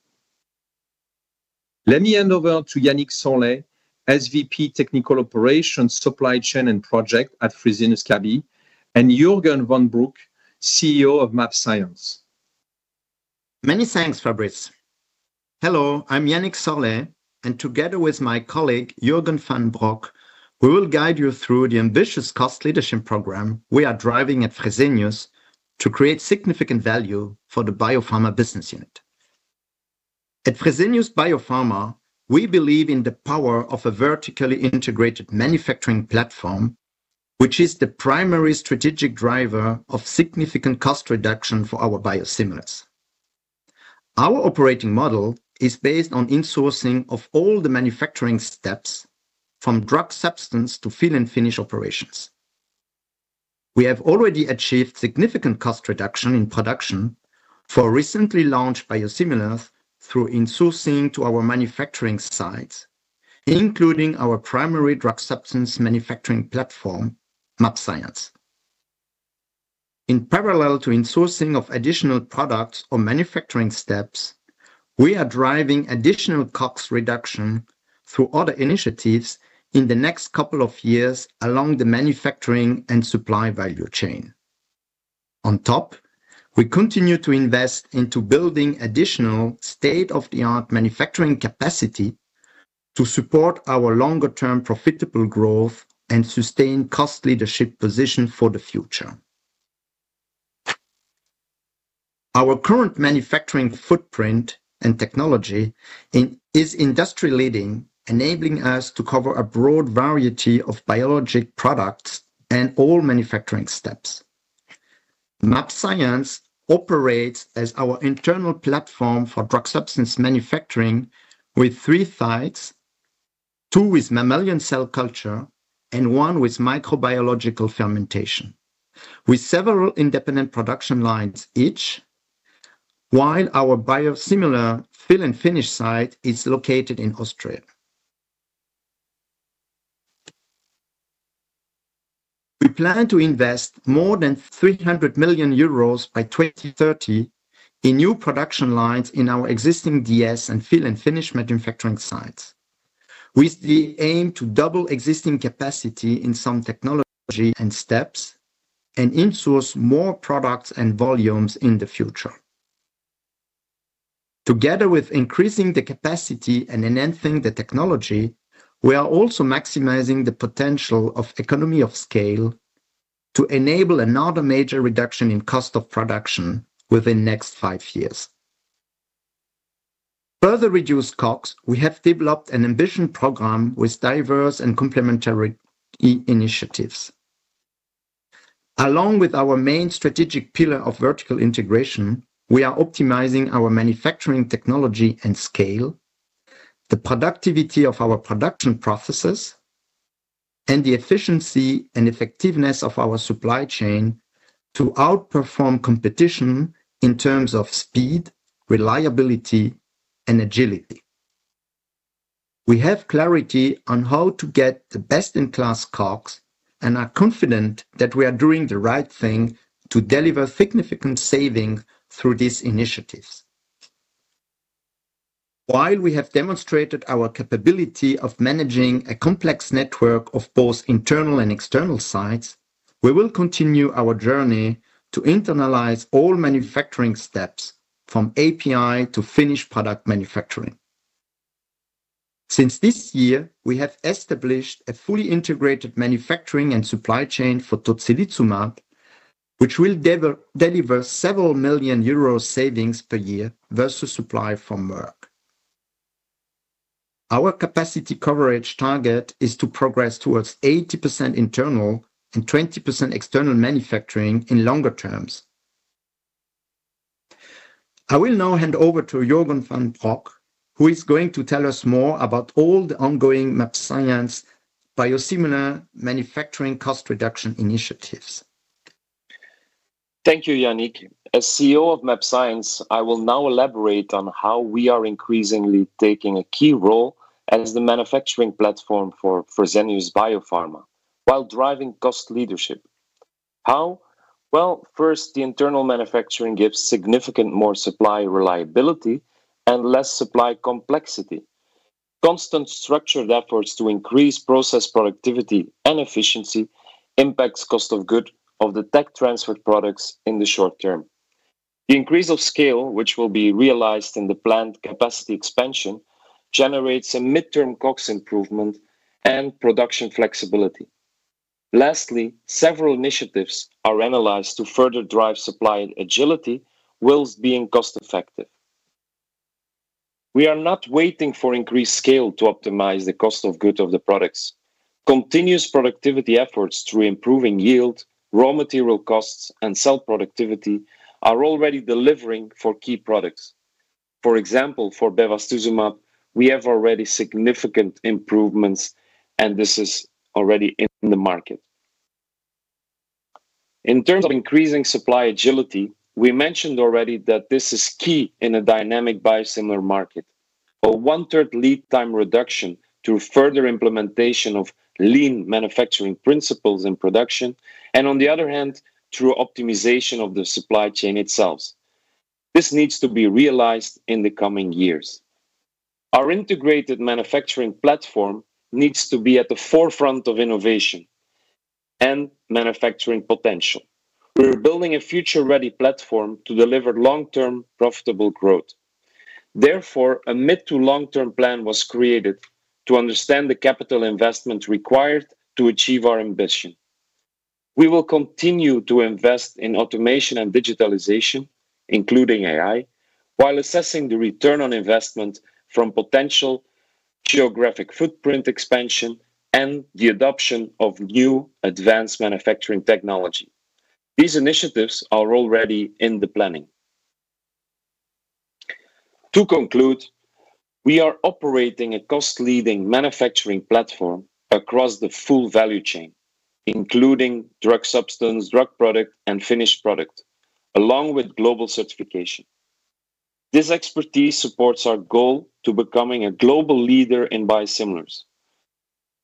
Let me hand over to Yannick Sorlet, SVP Technical Operations, Supply Chain, and Project at Fresenius Kabi, and Jürgen Van Broeck, CEO of mAbxience. Many thanks, Fabrice. Hello, I'm Yannick Sorlet, and together with my colleague Jürgen Van Broeck, we will guide you through the ambitious cost leadership program we are driving at Fresenius to create significant value for the biopharma business unit. At Fresenius Biopharma, we believe in the power of a vertically integrated manufacturing platform, which is the primary strategic driver of significant cost reduction for our biosimilars. Our operating model is based on insourcing of all the manufacturing steps, from drug substance to fill and finish operations. We have already achieved significant cost reduction in production for recently launched biosimilars through insourcing to our manufacturing sites, including our primary drug substance manufacturing platform, mAbxience. In parallel to insourcing of additional products or manufacturing steps, we are driving additional cost reduction through other initiatives in the next couple of years along the manufacturing and supply value chain. On top, we continue to invest into building additional state-of-the-art manufacturing capacity to support our longer-term profitable growth and sustain cost leadership positions for the future. Our current manufacturing footprint and technology is industry-leading, enabling us to cover a broad variety of biologic products and all manufacturing steps. mAbxience operates as our internal platform for drug substance manufacturing with three sites: two with mammalian cell culture and one with microbiological fermentation, with several independent production lines each, while our biosimilar fill and finish site is located in Austria. We plan to invest more than 300 million euros by 2030 in new production lines in our existing DS and fill and finish manufacturing sites, with the aim to double existing capacity in some technology and steps and insource more products and volumes in the future. Together with increasing the capacity and enhancing the technology, we are also maximizing the potential of economy of scale to enable another major reduction in cost of production within the next five years. Further reduced costs, we have developed an ambition program with diverse and complementary initiatives. Along with our main strategic pillar of vertical integration, we are optimizing our manufacturing technology and scale, the productivity of our production processes, and the efficiency and effectiveness of our supply chain to outperform competition in terms of speed, reliability, and agility. We have clarity on how to get the best-in-class costs and are confident that we are doing the right thing to deliver significant savings through these initiatives. While we have demonstrated our capability of managing a complex network of both internal and external sites, we will continue our journey to internalize all manufacturing steps from API to finished product manufacturing. Since this year, we have established a fully integrated manufacturing and supply chain for tocilizumab, which will deliver several million euros in savings per year versus supply from Merck. Our capacity coverage target is to progress towards 80% internal and 20% external manufacturing in the longer term. I will now hand over to Jürgen Van Broeck, who is going to tell us more about all the ongoing mAbxience biosimilar manufacturing cost reduction initiatives. Thank you, Yannick. As CEO of mAbxience, I will now elaborate on how we are increasingly taking a key role as the manufacturing platform for Fresenius Biopharma while driving cost leadership. How? Well, first, the internal manufacturing gives significantly more supply reliability and less supply complexity. Constant structured efforts to increase process productivity and efficiency impact the cost of goods of the tech transferred products in the short-term. The increase of scale, which will be realized in the planned capacity expansion, generates a mid-term cost improvement and production flexibility. Lastly, several initiatives are analyzed to further drive supply agility, while being cost-effective. We are not waiting for increased scale to optimize the cost of goods of the products. Continuous productivity efforts through improving yield, raw material costs, and cell productivity are already delivering for key products. For example, for bevacizumab, we have already significant improvements, and this is already in the market. In terms of increasing supply agility, we mentioned already that this is key in a dynamic biosimilar market: a one-third lead time reduction through further implementation of lean manufacturing principles in production, and on the other hand, through optimization of the supply chain itself. This needs to be realized in the coming years. Our integrated manufacturing platform needs to be at the forefront of innovation and manufacturing potential. We are building a future-ready platform to deliver long-term profitable growth. Therefore, a mid-to-long-term plan was created to understand the capital investment required to achieve our ambition. We will continue to invest in automation and digitalization, including AI, while assessing the return on investment from potential geographic footprint expansion and the adoption of new advanced manufacturing technology. These initiatives are already in the planning. To conclude, we are operating a cost-leading manufacturing platform across the full value chain, including drug substance, drug product, and finished product, along with global certification. This expertise supports our goal of becoming a global leader in biosimilars.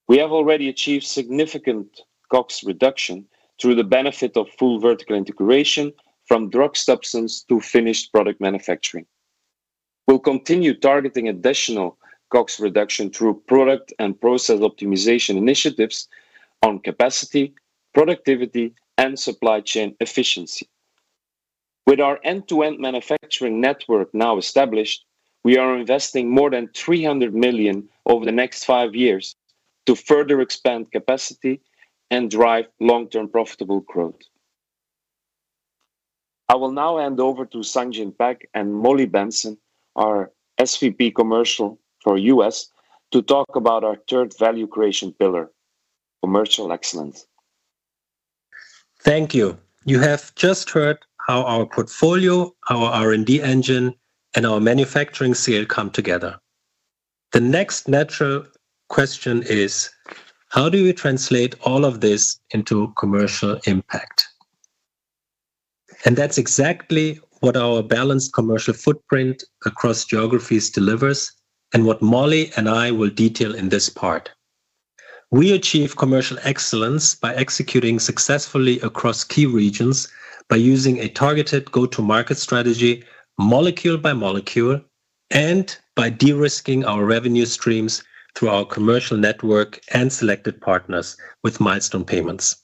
We have already achieved significant cost reduction through the benefit of full vertical integration from drug substance to finished product manufacturing. We'll continue targeting additional cost reduction through product and process optimization initiatives on capacity, productivity, and supply chain efficiency. With our end-to-end manufacturing network now established, we are investing more than 300 million over the next five years to further expand capacity and drive long-term profitable growth. I will now hand over to Sang-Jin Pak and Molly Benson, our SVP Commercial for the U.S., to talk about our third value creation pillar, commercial excellence. Thank you. You have just heard how our portfolio, our R&D engine, and our manufacturing scale come together. The next natural question is, how do we translate all of this into commercial impact, and that's exactly what our balanced commercial footprint across geographies delivers and what Molly and I will detail in this part. We achieve commercial excellence by executing successfully across key regions by using a targeted go-to-market strategy, molecule by molecule, and by de-risking our revenue streams through our commercial network and selected partners with milestone payments.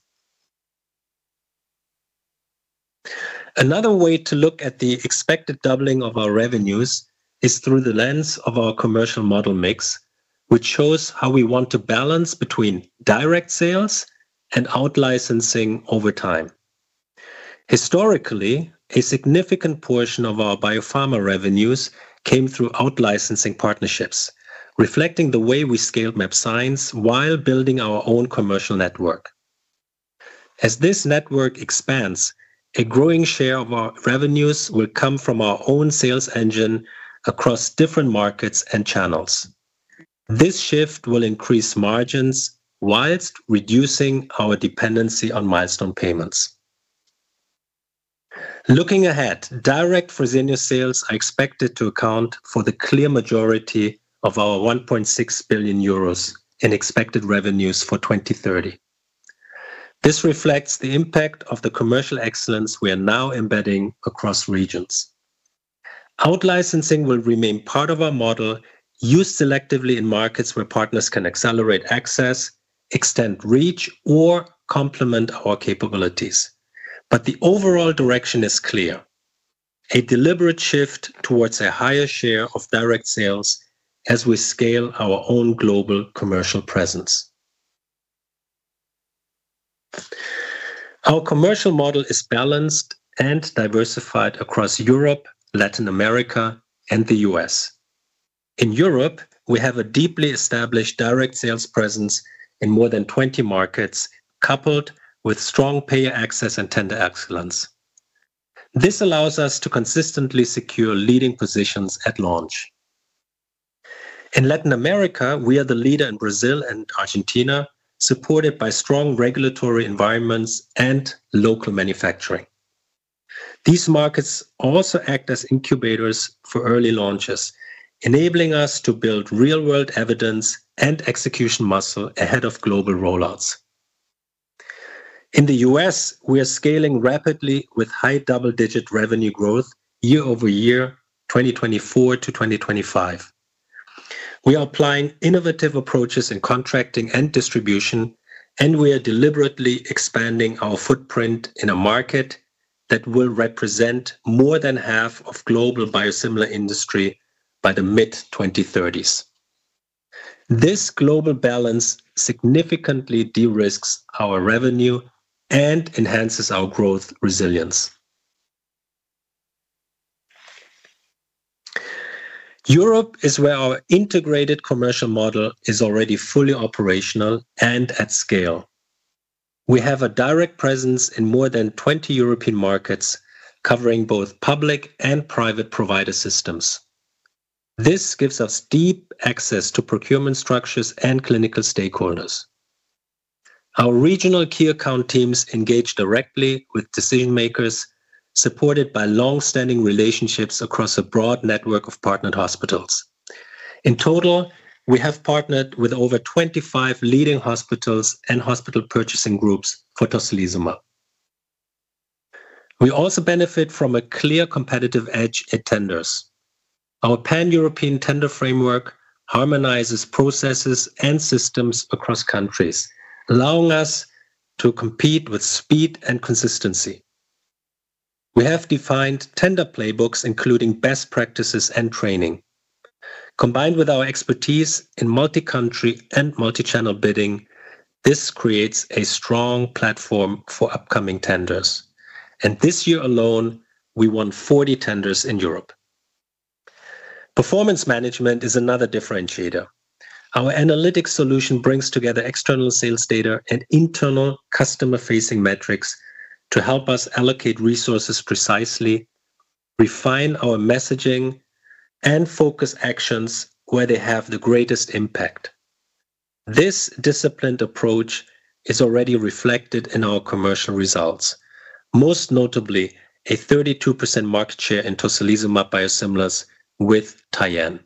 Another way to look at the expected doubling of our revenues is through the lens of our commercial model mix, which shows how we want to balance between direct sales and outlicensing over time. Historically, a significant portion of our biopharma revenues came through outlicensing partnerships, reflecting the way we scaled mAbxience while building our own commercial network. As this network expands, a growing share of our revenues will come from our own sales engine across different markets and channels. This shift will increase margins while reducing our dependency on milestone payments. Looking ahead, direct Fresenius sales are expected to account for the clear majority of our 1.6 billion euros in expected revenues for 2030. This reflects the impact of the commercial excellence we are now embedding across regions. Outlicensing will remain part of our model, used selectively in markets where partners can accelerate access, extend reach, or complement our capabilities. But the overall direction is clear: a deliberate shift towards a higher share of direct sales as we scale our own global commercial presence. Our commercial model is balanced and diversified across Europe, Latin America, and the U.S. In Europe, we have a deeply established direct sales presence in more than 20 markets, coupled with strong payer access and tender excellence. This allows us to consistently secure leading positions at launch. In Latin America, we are the leader in Brazil and Argentina, supported by strong regulatory environments and local manufacturing. These markets also act as incubators for early launches, enabling us to build real-world evidence and execution muscle ahead of global rollouts. In the U.S., we are scaling rapidly with high double-digit revenue growth year-over-year, 2024 to 2025. We are applying innovative approaches in contracting and distribution, and we are deliberately expanding our footprint in a market that will represent more than half of the global biosimilar industry by the mid-2030s. This global balance significantly de-risks our revenue and enhances our growth resilience. Europe is where our integrated commercial model is already fully operational and at scale. We have a direct presence in more than 20 European markets, covering both public and private provider systems. This gives us deep access to procurement structures and clinical stakeholders. Our regional key account teams engage directly with decision-makers, supported by long-standing relationships across a broad network of partnered hospitals. In total, we have partnered with over 25 leading hospitals and hospital purchasing groups for tocilizumab. We also benefit from a clear competitive edge at tenders. Our pan-European tender framework harmonizes processes and systems across countries, allowing us to compete with speed and consistency. We have defined tender playbooks, including best practices and training. Combined with our expertise in multi-country and multi-channel bidding, this creates a strong platform for upcoming tenders. And this year alone, we won 40 tenders in Europe. Performance management is another differentiator. Our analytics solution brings together external sales data and internal customer-facing metrics to help us allocate resources precisely, refine our messaging, and focus actions where they have the greatest impact. This disciplined approach is already reflected in our commercial results, most notably a 32% market share in tocilizumab biosimilars with Tyenne.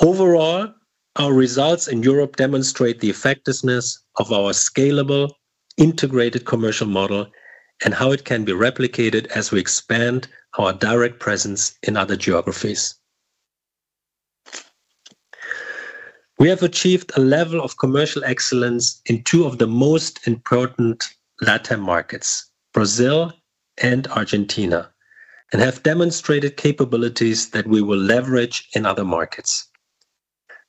Overall, our results in Europe demonstrate the effectiveness of our scalable integrated commercial model and how it can be replicated as we expand our direct presence in other geographies. We have achieved a level of commercial excellence in two of the most important Latin markets, Brazil and Argentina, and have demonstrated capabilities that we will leverage in other markets.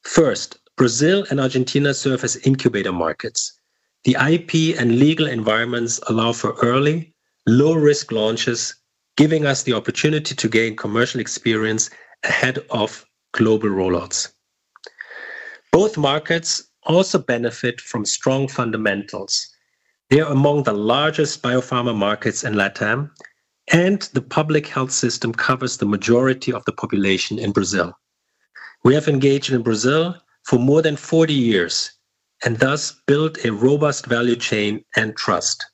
First, Brazil and Argentina serve as incubator markets. The IP and legal environments allow for early, low-risk launches, giving us the opportunity to gain commercial experience ahead of global rollouts. Both markets also benefit from strong fundamentals. They are among the largest biopharma markets in LATAM, and the public health system covers the majority of the population in Brazil. We have engaged in Brazil for more than 40 years and thus built a robust value chain and trust.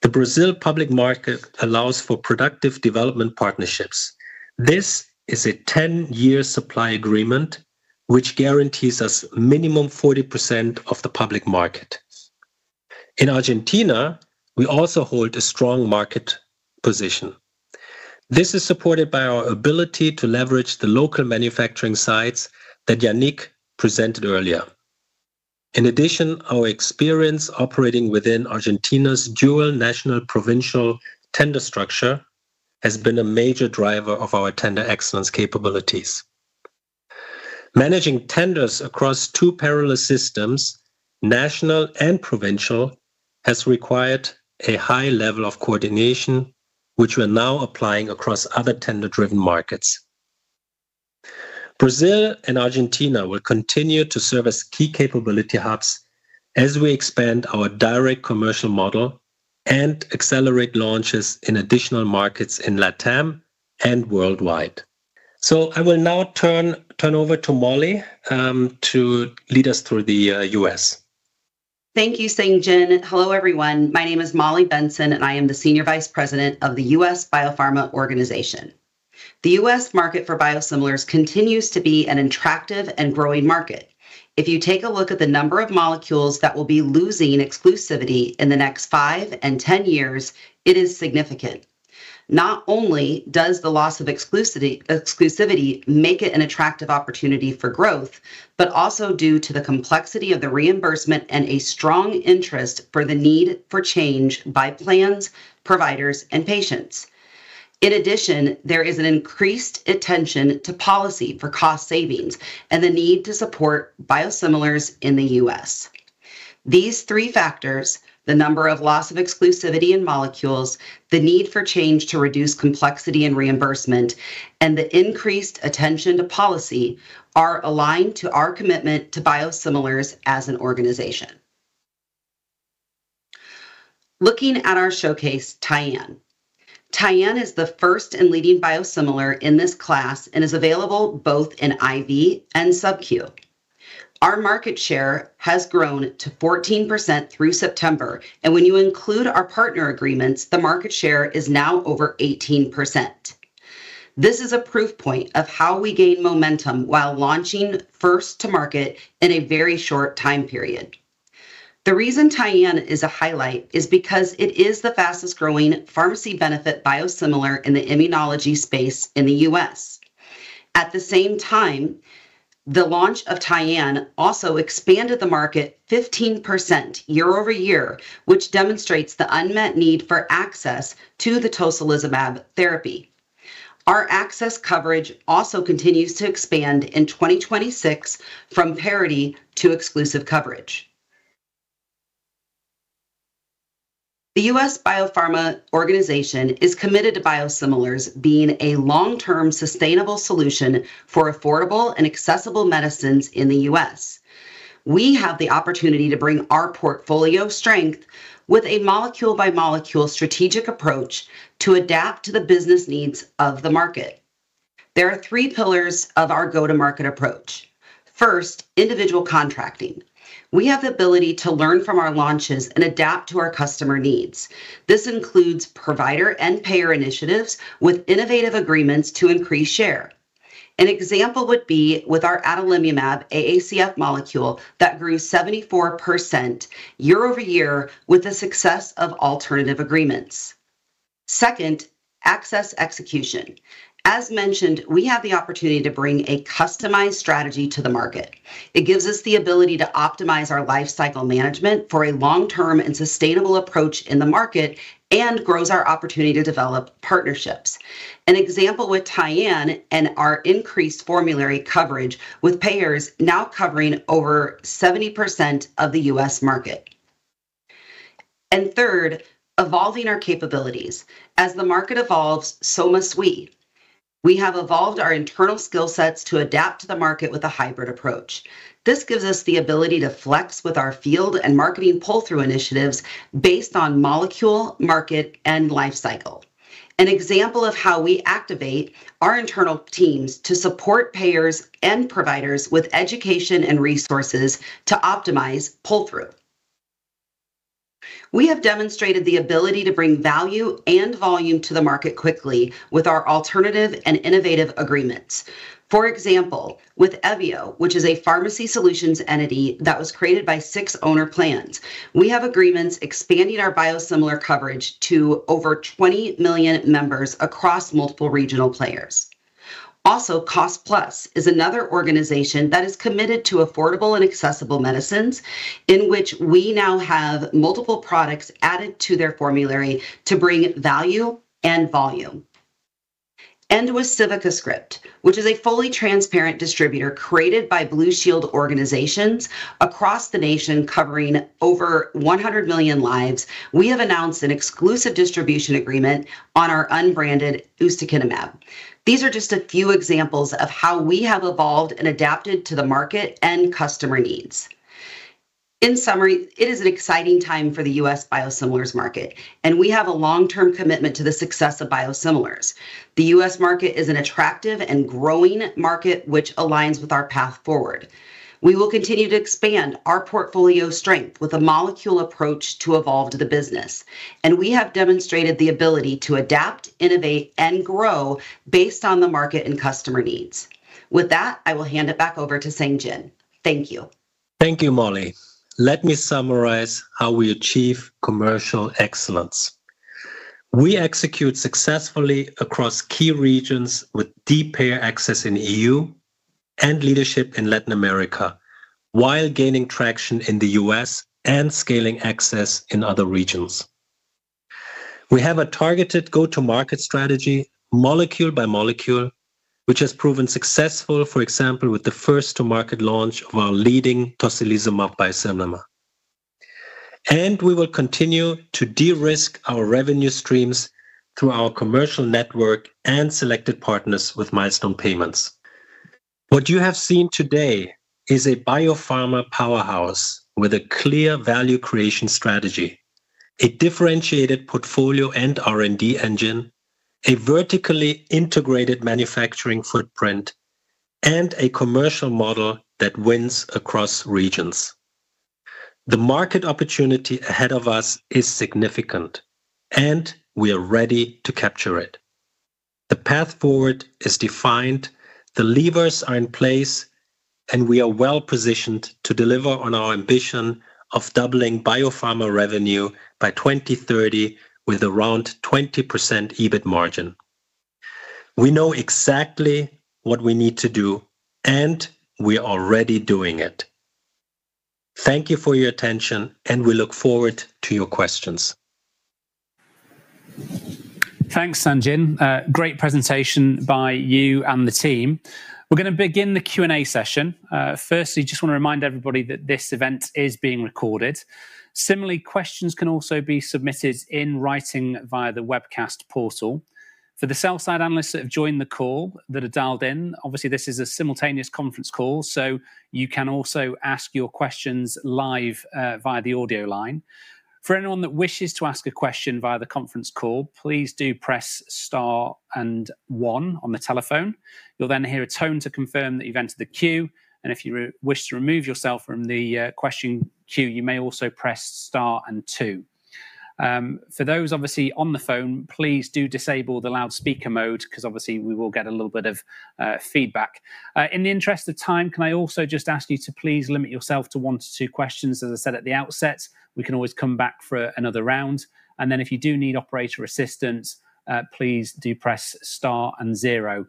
The Brazil public market allows for productive development partnerships. This is a 10-year supply agreement, which guarantees us a minimum of 40% of the public market. In Argentina, we also hold a strong market position. This is supported by our ability to leverage the local manufacturing sites that Yannick presented earlier. In addition, our experience operating within Argentina's dual national-provincial tender structure has been a major driver of our tender excellence capabilities. Managing tenders across two parallel systems, national and provincial, has required a high level of coordination, which we are now applying across other tender-driven markets. Brazil and Argentina will continue to serve as key capability hubs as we expand our direct commercial model and accelerate launches in additional markets in LATAM and worldwide. So I will now turn over to Molly to lead us through the U.S. Thank you, Sang-Jin. Hello, everyone. My name is Molly Benson, and I am the Senior Vice President of the U.S. Biopharma Organization. The U.S. market for biosimilars continues to be an attractive and growing market. If you take a look at the number of molecules that will be losing exclusivity in the next five and ten years, it is significant. Not only does the loss of exclusivity make it an attractive opportunity for growth, but also due to the complexity of the reimbursement and a strong interest for the need for change by plans, providers, and patients. In addition, there is an increased attention to policy for cost savings and the need to support biosimilars in the U.S.. These three factors, the number of loss of exclusivity in molecules, the need for change to reduce complexity and reimbursement, and the increased attention to policy, are aligned to our commitment to biosimilars as an organization. Looking at our showcase, Tyenne. Tyenne is the first and leading biosimilar in this class and is available both in IV and SubQ. Our market share has grown to 14% through September, and when you include our partner agreements, the market share is now over 18%. This is a proof point of how we gain momentum while launching first to market in a very short-time period. The reason Tyenne is a highlight is because it is the fastest-growing pharmacy benefit biosimilar in the immunology space in the U.S.. At the same time, the launch of Tyenne also expanded the market 15% year-over-year, which demonstrates the unmet need for access to the tocilizumab therapy. Our access coverage also continues to expand in 2026 from parity to exclusive coverage. The U.S. Biopharma Organization is committed to biosimilars being a long-term sustainable solution for affordable and accessible medicines in the U.S. We have the opportunity to bring our portfolio strength with a molecule-by-molecule strategic approach to adapt to the business needs of the market. There are three pillars of our go-to-market approach. First, individual contracting. We have the ability to learn from our launches and adapt to our customer needs. This includes provider and payer initiatives with innovative agreements to increase share. An example would be with our adalimumab-aacf molecule that grew 74% year-over-year with the success of alternative agreements. Second, access execution. As mentioned, we have the opportunity to bring a customized strategy to the market. It gives us the ability to optimize our lifecycle management for a long-term and sustainable approach in the market and grows our opportunity to develop partnerships. An example with Tyenne and our increased formulary coverage with payers now covering over 70% of the U.S. market. And third, evolving our capabilities. As the market evolves, so must we. We have evolved our internal skill sets to adapt to the market with a hybrid approach. This gives us the ability to flex with our field and marketing pull-through initiatives based on molecule, market, and lifecycle. An example of how we activate our internal teams to support payers and providers with education and resources to optimize pull-through. We have demonstrated the ability to bring value and volume to the market quickly with our alternative and innovative agreements. For example, with Evio, which is a pharmacy solutions entity that was created by six owner plans, we have agreements expanding our biosimilar coverage to over 20 million members across multiple regional players. Also, Cost Plus is another organization that is committed to affordable and accessible medicines, in which we now have multiple products added to their formulary to bring value and volume, and with CivicaScript, which is a fully transparent distributor created by Blue Shield organizations across the nation, covering over 100 million lives, we have announced an exclusive distribution agreement on our unbranded ustekinumab. These are just a few examples of how we have evolved and adapted to the market and customer needs. In summary, it is an exciting time for the U.S. biosimilars market, and we have a long-term commitment to the success of biosimilars. The U.S. market is an attractive and growing market, which aligns with our path forward. We will continue to expand our portfolio strength with a molecule approach to evolve the business, and we have demonstrated the ability to adapt, innovate, and grow based on the market and customer needs. With that, I will hand it back over to Sang-Jin. Thank you. Thank you, Molly. Let me summarize how we achieve commercial excellence. We execute successfully across key regions with deep payer access in the EU and leadership in Latin America, while gaining traction in the U.S. and scaling access in other regions. We have a targeted go-to-market strategy, molecule by molecule, which has proven successful, for example, with the first-to-market launch of our leading tocilizumab biosimilar, and we will continue to de-risk our revenue streams through our commercial network and selected partners with milestone payments. What you have seen today is a biopharma powerhouse with a clear value creation strategy, a differentiated portfolio and R&D engine, a vertically integrated manufacturing footprint, and a commercial model that wins across regions. The market opportunity ahead of us is significant, and we are ready to capture it. The path forward is defined, the levers are in place, and we are well positioned to deliver on our ambition of doubling biopharma revenue by 2030 with around 20% EBIT margin. We know exactly what we need to do, and we are already doing it. Thank you for your attention, and we look forward to your questions. Thanks, Sang-Jin. Great presentation by you and the team. We're going to begin the Q&A session. Firstly, I just want to remind everybody that this event is being recorded. Similarly, questions can also be submitted in writing via the webcast portal. For the sell-side analysts that have joined the call that are dialed in, obviously, this is a simultaneous conference call, so you can also ask your questions live via the audio line. For anyone that wishes to ask a question via the conference call, please do press Star and One on the telephone. You'll then hear a tone to confirm that you've entered the queue, and if you wish to remove yourself from the question queue, you may also press Star and Two. For those, obviously, on the phone, please do disable the loudspeaker mode because, obviously, we will get a little bit of feedback. In the interest of time, can I also just ask you to please limit yourself to one to two questions, as I said at the outset? We can always come back for another round. And then if you do need operator assistance, please do press Star and Zero.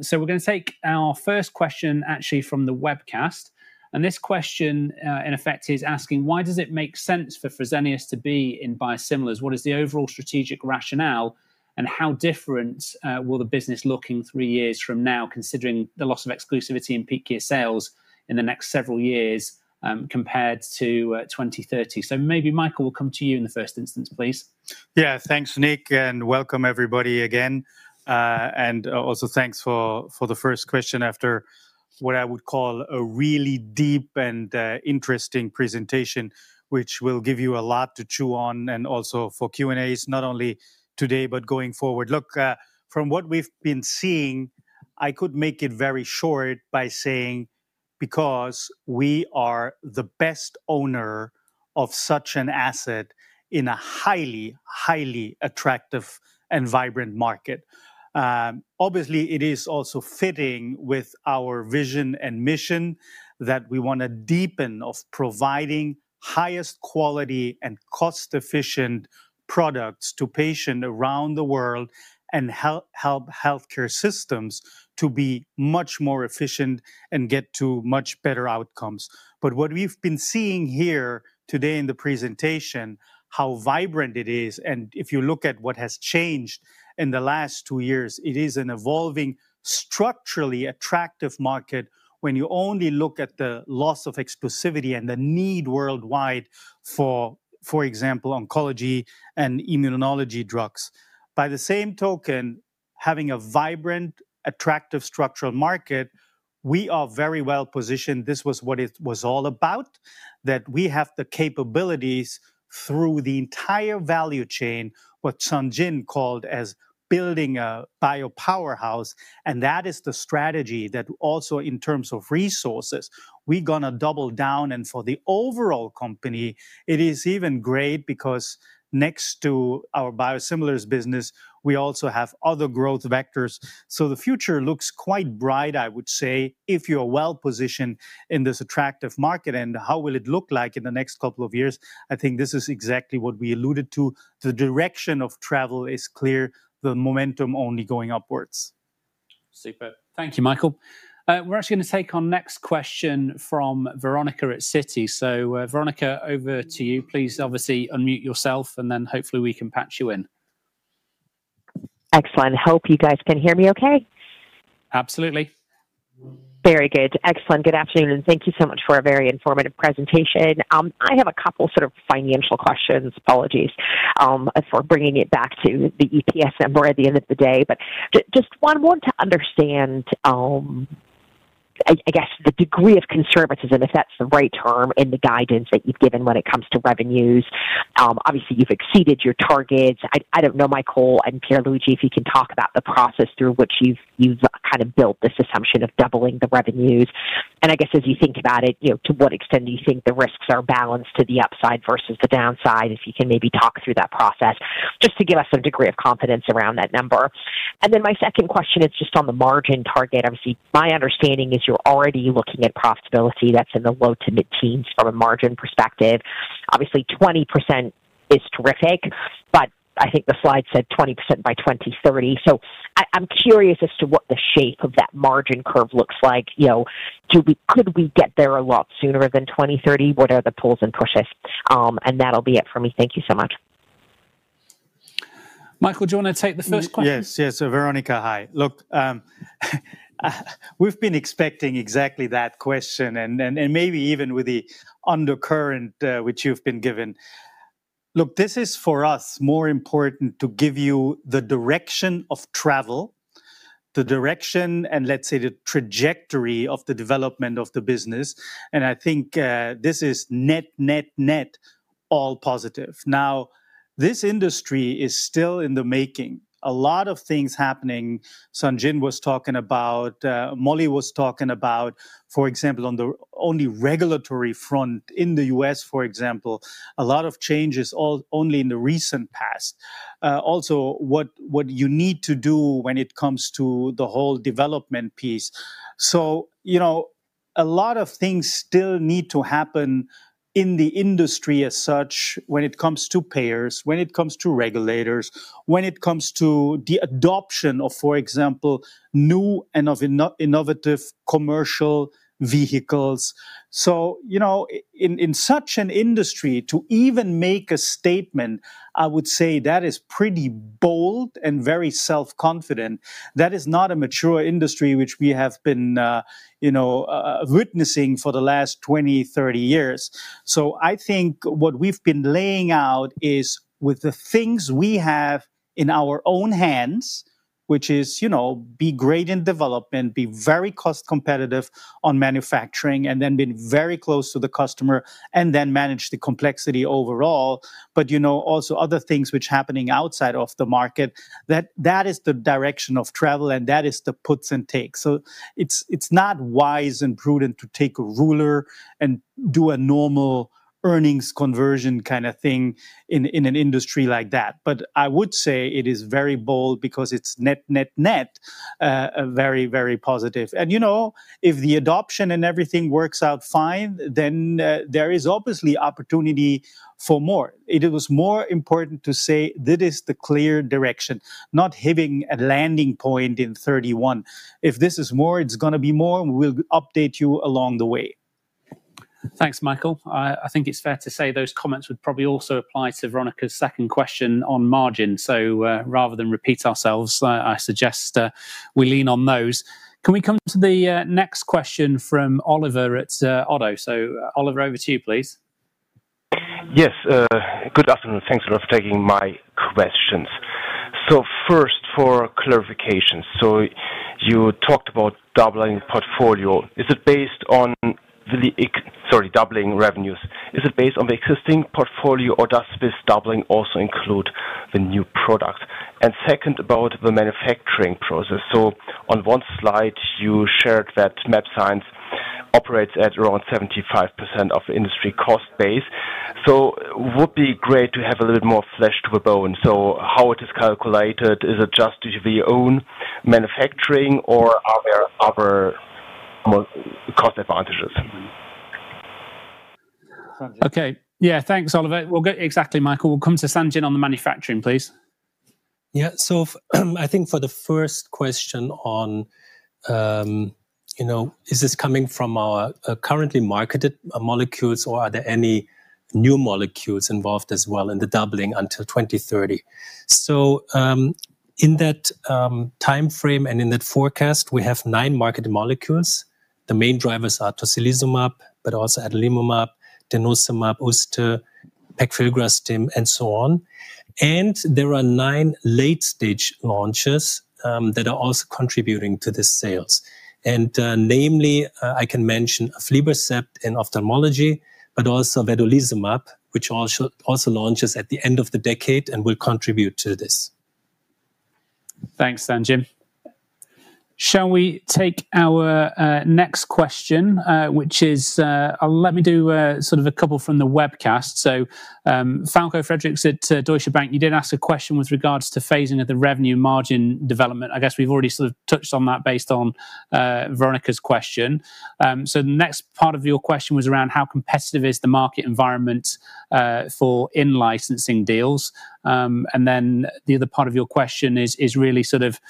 So we're going to take our first question, actually, from the webcast. And this question, in effect, is asking, why does it make sense for Fresenius to be in biosimilars? What is the overall strategic rationale and how different will the business look in three years from now, considering the loss of exclusivity in peak year sales in the next several years compared to 2030? So maybe Michael will come to you in the first instance, please. Yeah, thanks, Nick, and welcome everybody again. And also thanks for the first question after what I would call a really deep and interesting presentation, which will give you a lot to chew on and also for Q&As, not only today, but going forward. Look, from what we've been seeing, I could make it very short by saying because we are the best owner of such an asset in a highly, highly attractive and vibrant market. Obviously, it is also fitting with our vision and mission that we want to deepen of providing highest quality and cost-efficient products to patients around the world and help healthcare systems to be much more efficient and get to much better outcomes. But what we've been seeing here today in the presentation, how vibrant it is, and if you look at what has changed in the last two years, it is an evolving, structurally attractive market when you only look at the loss of exclusivity and the need worldwide for, for example, oncology and immunology drugs. By the same token, having a vibrant, attractive structural market, we are very well positioned. This was what it was all about, that we have the capabilities through the entire value chain, what Sang-Jin called as building a biopowerhouse, and that is the strategy that also, in terms of resources, we're going to double down, and for the overall company, it is even great because next to our biosimilars business, we also have other growth vectors, so the future looks quite bright, I would say, if you are well positioned in this attractive market, and how will it look like in the next couple of years? I think this is exactly what we alluded to. The direction of travel is clear. The momentum is only going upwards. Super. Thank you, Michael. We're actually going to take our next question from Veronika at Citi, so Veronika, over to you. Please, obviously, unmute yourself, and then hopefully we can patch you in. Excellent. I hope you guys can hear me okay. Absolutely. Very good. Excellent. Good afternoon. Thank you so much for a very informative presentation. I have a couple sort of financial questions. Apologies for bringing it back to the EPS number at the end of the day. But just one more to understand, I guess, the degree of conservatism, if that's the right term, in the guidance that you've given when it comes to revenues. Obviously, you've exceeded your targets. I don't know, Michael and Pierluigi, if you can talk about the process through which you've kind of built this assumption of doubling the revenues. And I guess, as you think about it, to what extent do you think the risks are balanced to the upside versus the downside? If you can maybe talk through that process, just to give us a degree of confidence around that number. And then my second question is just on the margin target. Obviously, my understanding is you're already looking at profitability that's in the low to mid-teens from a margin perspective. Obviously, 20% is terrific, but I think the slide said 20% by 2030. So I'm curious as to what the shape of that margin curve looks like. Could we get there a lot sooner than 2030? What are the pulls and pushes? And that'll be it for me. Thank you so much. Michael, do you want to take the first question? Yes. Yes. So Veronica, hi. Look, we've been expecting exactly that question, and maybe even with the undercurrent which you've been given. Look, this is, for us, more important to give you the direction of travel, the direction, and let's say the trajectory of the development of the business. And I think this is net, net, net all positive. Now, this industry is still in the making. A lot of things happening. Sang-Jin was talking about, Molly was talking about, for example, on the only regulatory front in the U.S., for example, a lot of changes only in the recent past. Also, what you need to do when it comes to the whole development piece. So a lot of things still need to happen in the industry as such when it comes to payers, when it comes to regulators, when it comes to the adoption of, for example, new and innovative commercial vehicles. So in such an industry, to even make a statement, I would say that is pretty bold and very self-confident. That is not a mature industry which we have been witnessing for the last 20, 30 years. So I think what we've been laying out is with the things we have in our own hands, which is be great in development, be very cost competitive on manufacturing, and then be very close to the customer, and then manage the complexity overall, but also other things which are happening outside of the market. That is the direction of travel, and that is the puts and takes. So it's not wise and prudent to take a ruler and do a normal earnings conversion kind of thing in an industry like that. But I would say it is very bold because it's net, net, net very, very positive. And if the adoption and everything works out fine, then there is obviously opportunity for more. It was more important to say, "This is the clear direction," not having a landing point in 2031. If this is more, it's going to be more. We'll update you along the way. Thanks, Michael. I think it's fair to say those comments would probably also apply to Veronika's second question on margin. Rather than repeat ourselves, I suggest we lean on those. Can we come to the next question from Oliver at Oddo? So Oliver, over to you, please. Yes. Good afternoon. Thanks a lot for taking my questions. First, for clarification, you talked about doubling portfolio. Is it based on the—sorry, doubling revenues? Is it based on the existing portfolio, or does this doubling also include the new product? And second, about the manufacturing process. On one slide, you shared that mAbxience operates at around 75% of the industry cost base. It would be great to have a little bit more flesh to the bone. So, how is it calculated? Is it just due to our own manufacturing, or are there other cost advantages? Okay. Yeah, thanks, Oliver. Exactly, Michael. We'll come to Sang-Jin on the manufacturing, please. Yeah. So I think for the first question on is this coming from our currently marketed molecules, or are there any new molecules involved as well in the doubling until 2030? So in that time frame and in that forecast, we have nine marketed molecules. The main drivers are tocilizumab, but also adalimumab, denosumab, etanercept, pegfilgrastim, and so on. And there are nine late-stage launches that are also contributing to the sales. And namely, I can mention aflibercept in ophthalmology, but also vedolizumab, which also launches at the end of the decade and will contribute to this. Thanks, Sang-Jin. Shall we take our next question, which is, let me do sort of a couple from the webcast. So Falko Friedrichs at Deutsche Bank, you did ask a question with regards to phasing of the revenue margin development. I guess we've already sort of touched on that based on Veronika's question. So the next part of your question was around how competitive is the market environment for in-licensing deals. And then the other part of your question is really sort of,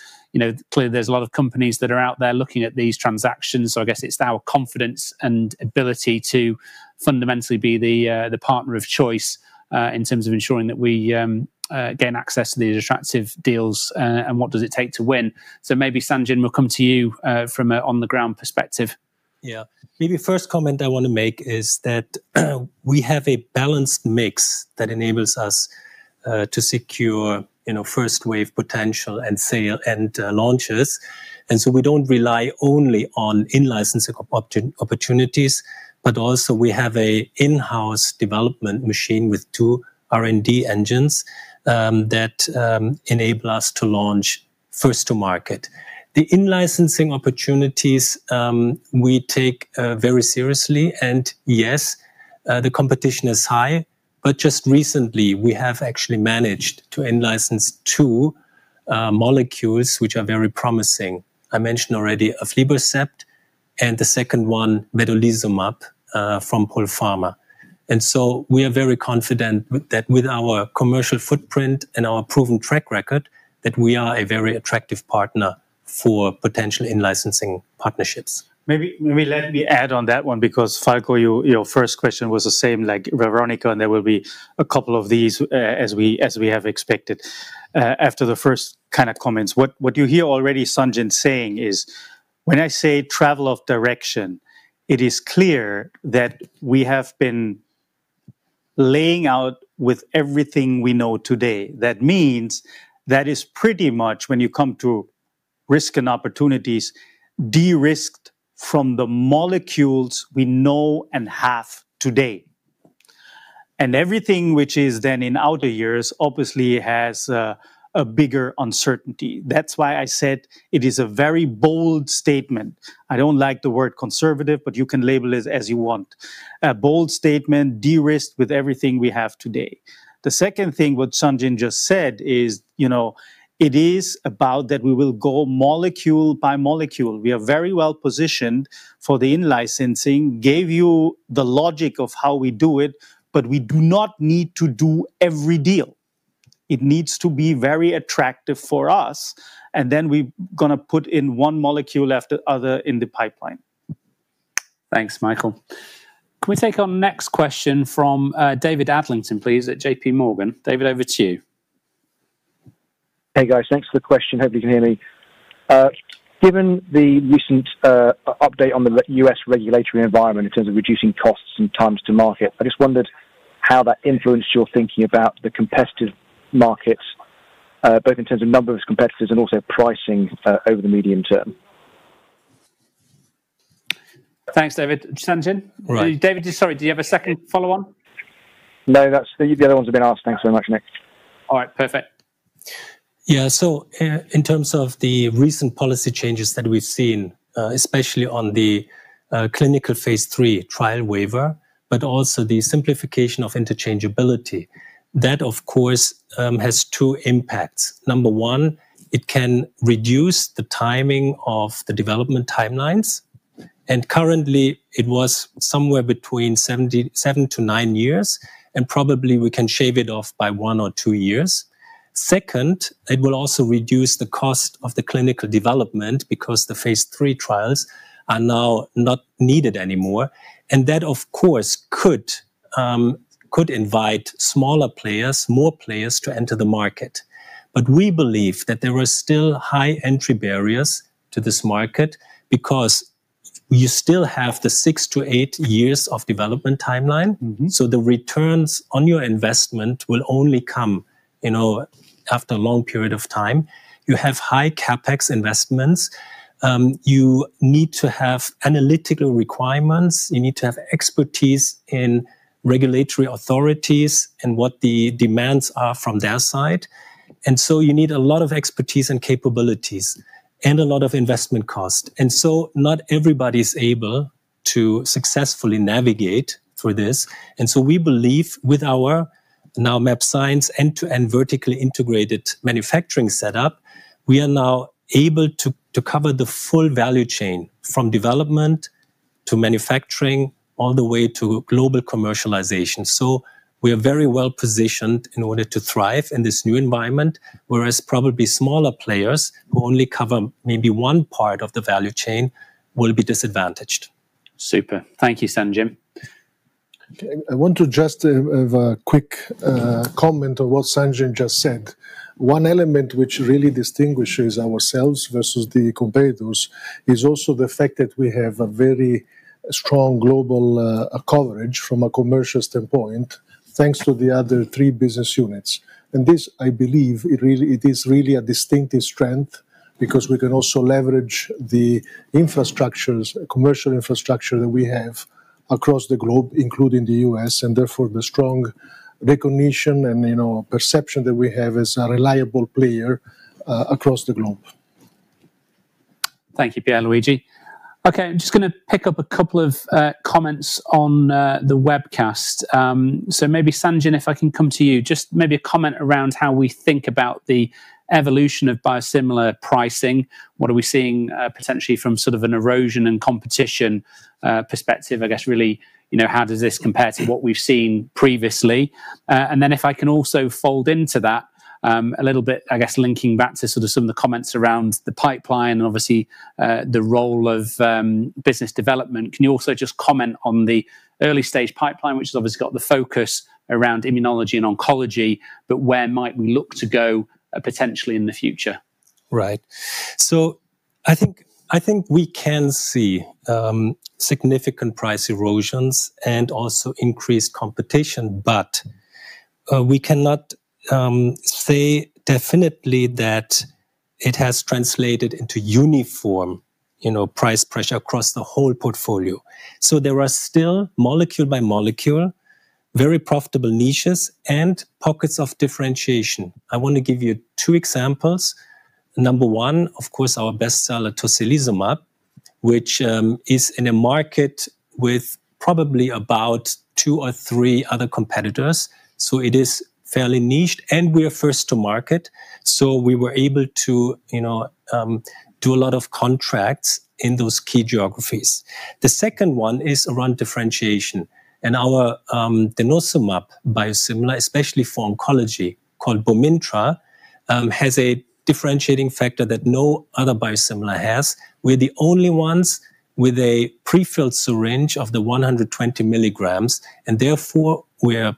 clearly, there's a lot of companies that are out there looking at these transactions. So I guess it's our confidence and ability to fundamentally be the partner of choice in terms of ensuring that we gain access to these attractive deals and what does it take to win. So maybe Sang-Jin, we'll come to you from an on-the-ground perspective. Yeah. Maybe the first comment I want to make is that we have a balanced mix that enables us to secure first-wave potential and launches. And so we don't rely only on in-licensing opportunities, but also we have an in-house development machine with two R&D engines that enable us to launch first-to-market. The in-licensing opportunities we take very seriously. And yes, the competition is high, but just recently, we have actually managed to in-license two molecules which are very promising. I mentioned already a aflibercept and the second one, vedolizumab, from Polpharma. And so we are very confident that with our commercial footprint and our proven track record, that we are a very attractive partner for potential in-licensing partnerships. Maybe let me add on that one because, Falko, your first question was the same like Veronika, and there will be a couple of these as we have expected. After the first kind of comments, what you hear already Sang-Jin saying is, "When I say travel of direction, it is clear that we have been laying out with everything we know today." That means that is pretty much when you come to risk and opportunities, de-risked from the molecules we know and have today, and everything which is then in outer years, obviously, has a bigger uncertainty. That's why I said it is a very bold statement. I don't like the word conservative, but you can label it as you want. A bold statement, de-risked with everything we have today. The second thing what Sang-Jin just said is it is about that we will go molecule by molecule. We are very well positioned for the in-licensing, gave you the logic of how we do it, but we do not need to do every deal. It needs to be very attractive for us, and then we're going to put in one molecule after the other in the pipeline. Thanks, Michael. Can we take our next question from David Adlington, please, at J.P. Morgan? David, over to you. Hey, guys. Thanks for the question. Hope you can hear me. Given the recent update on the U.S. regulatory environment in terms of reducing costs and times to market, I just wondered how that influenced your thinking about the competitive markets, both in terms of number of competitors and also pricing over the medium-term. Thanks, David. Sang-Jin? Right. David, sorry, did you have a second follow-on? No, that's the other ones have been asked. Thanks very much, Nick. All right. Perfect. Yeah. In terms of the recent policy changes that we've seen, especially on the clinical Phase III trial waiver, but also the simplification of interchangeability, that, of course, has two impacts. Number one, it can reduce the timing of the development timelines. And currently, it was somewhere between seven to nine years, and probably we can shave it off by one or two years. Second, it will also reduce the cost of the clinical development because the Phase III trials are now not needed anymore. And that, of course, could invite smaller players, more players to enter the market. But we believe that there are still high entry barriers to this market because you still have the 6-8 years of development timeline. So the returns on your investment will only come after a long period of time. You have high CapEx investments. You need to have analytical requirements. You need to have expertise in regulatory authorities and what the demands are from their side, and so you need a lot of expertise and capabilities and a lot of investment cost, and so not everybody's able to successfully navigate through this, and so we believe with our now mAbxience end-to-end vertically integrated manufacturing setup, we are now able to cover the full value chain from development to manufacturing all the way to global commercialization, so we are very well positioned in order to thrive in this new environment, whereas probably smaller players who only cover maybe one part of the value chain will be disadvantaged. Super. Thank you, Sang-Jin. I want to just have a quick comment on what Sang-Jin just said. One element which really distinguishes ourselves versus the competitors is also the fact that we have a very strong global coverage from a commercial standpoint thanks to the other three business units, and this, I believe, it is really a distinctive strength because we can also leverage the infrastructures, commercial infrastructure that we have across the globe, including the U.S., and therefore the strong recognition and perception that we have as a reliable player across the globe. Thank you, Pierluigi. Okay. I'm just going to pick up a couple of comments on the webcast, so maybe Sang-Jin, if I can come to you, just maybe a comment around how we think about the evolution of biosimilar pricing. What are we seeing potentially from sort of an erosion and competition perspective? I guess really, how does this compare to what we've seen previously? And then if I can also fold into that a little bit, I guess linking back to sort of some of the comments around the pipeline and obviously the role of business development, can you also just comment on the early-stage pipeline, which has obviously got the focus around immunology and oncology, but where might we look to go potentially in the future? Right. So I think we can see significant price erosions and also increased competition, but we cannot say definitely that it has translated into uniform price pressure across the whole portfolio. So there are still molecule by molecule, very profitable niches and pockets of differentiation. I want to give you two examples. Number one, of course, our bestseller tocilizumab, which is in a market with probably about two or three other competitors. So it is fairly niched, and we are first-to-market. We were able to do a lot of contracts in those key geographies. The second one is around differentiation. Our denosumab biosimilar, especially for oncology, called Bomyntra, has a differentiating factor that no other biosimilar has. We're the only ones with a prefilled syringe of the 120 mg, and therefore we're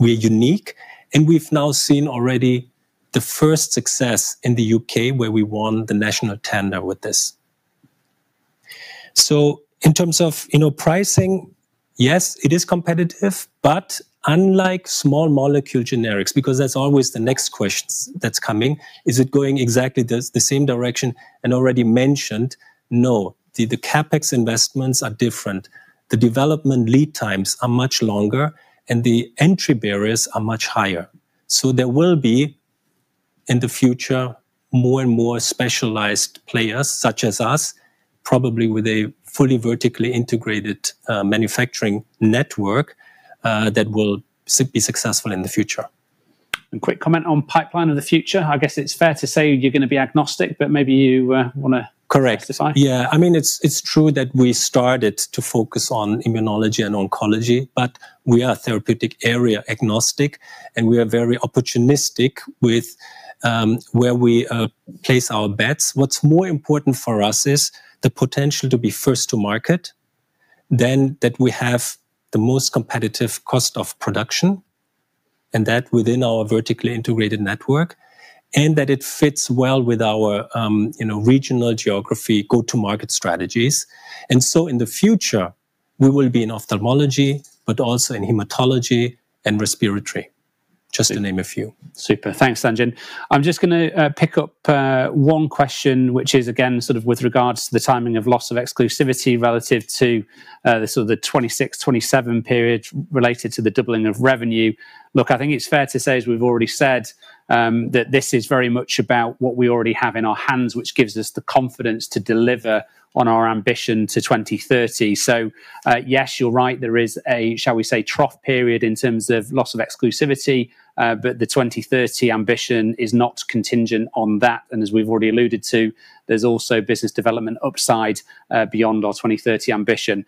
unique. We've now seen already the first success in the U.K. where we won the national tender with this. In terms of pricing, yes, it is competitive, but unlike small molecule generics, because that's always the next question that's coming, is it going exactly the same direction? Already mentioned, no, the CapEx investments are different. The development lead times are much longer, and the entry barriers are much higher. So there will be in the future more and more specialized players such as us, probably with a fully vertically integrated manufacturing network that will be successful in the future. A quick comment on pipeline in the future. I guess it's fair to say you're going to be agnostic, but maybe you want to specify. Correct. Yeah. I mean, it's true that we started to focus on immunology and oncology, but we are therapeutic area agnostic, and we are very opportunistic with where we place our bets. What's more important for us is the potential to be first-to-market, then that we have the most competitive cost of production, and that within our vertically integrated network, and that it fits well with our regional geography go-to-market strategies. And so in the future, we will be in ophthalmology, but also in hematology and respiratory, just to name a few. Super. Thanks, Sang-Jin. I'm just going to pick up one question, which is, again, sort of with regards to the timing of loss of exclusivity relative to the sort of the 2026-2027 period related to the doubling of revenue. Look, I think it's fair to say, as we've already said, that this is very much about what we already have in our hands, which gives us the confidence to deliver on our ambition to 2030. So yes, you're right. There is a, shall we say, trough period in terms of loss of exclusivity, but the 2030 ambition is not contingent on that. And as we've already alluded to, there's also business development upside beyond our 2030 ambition.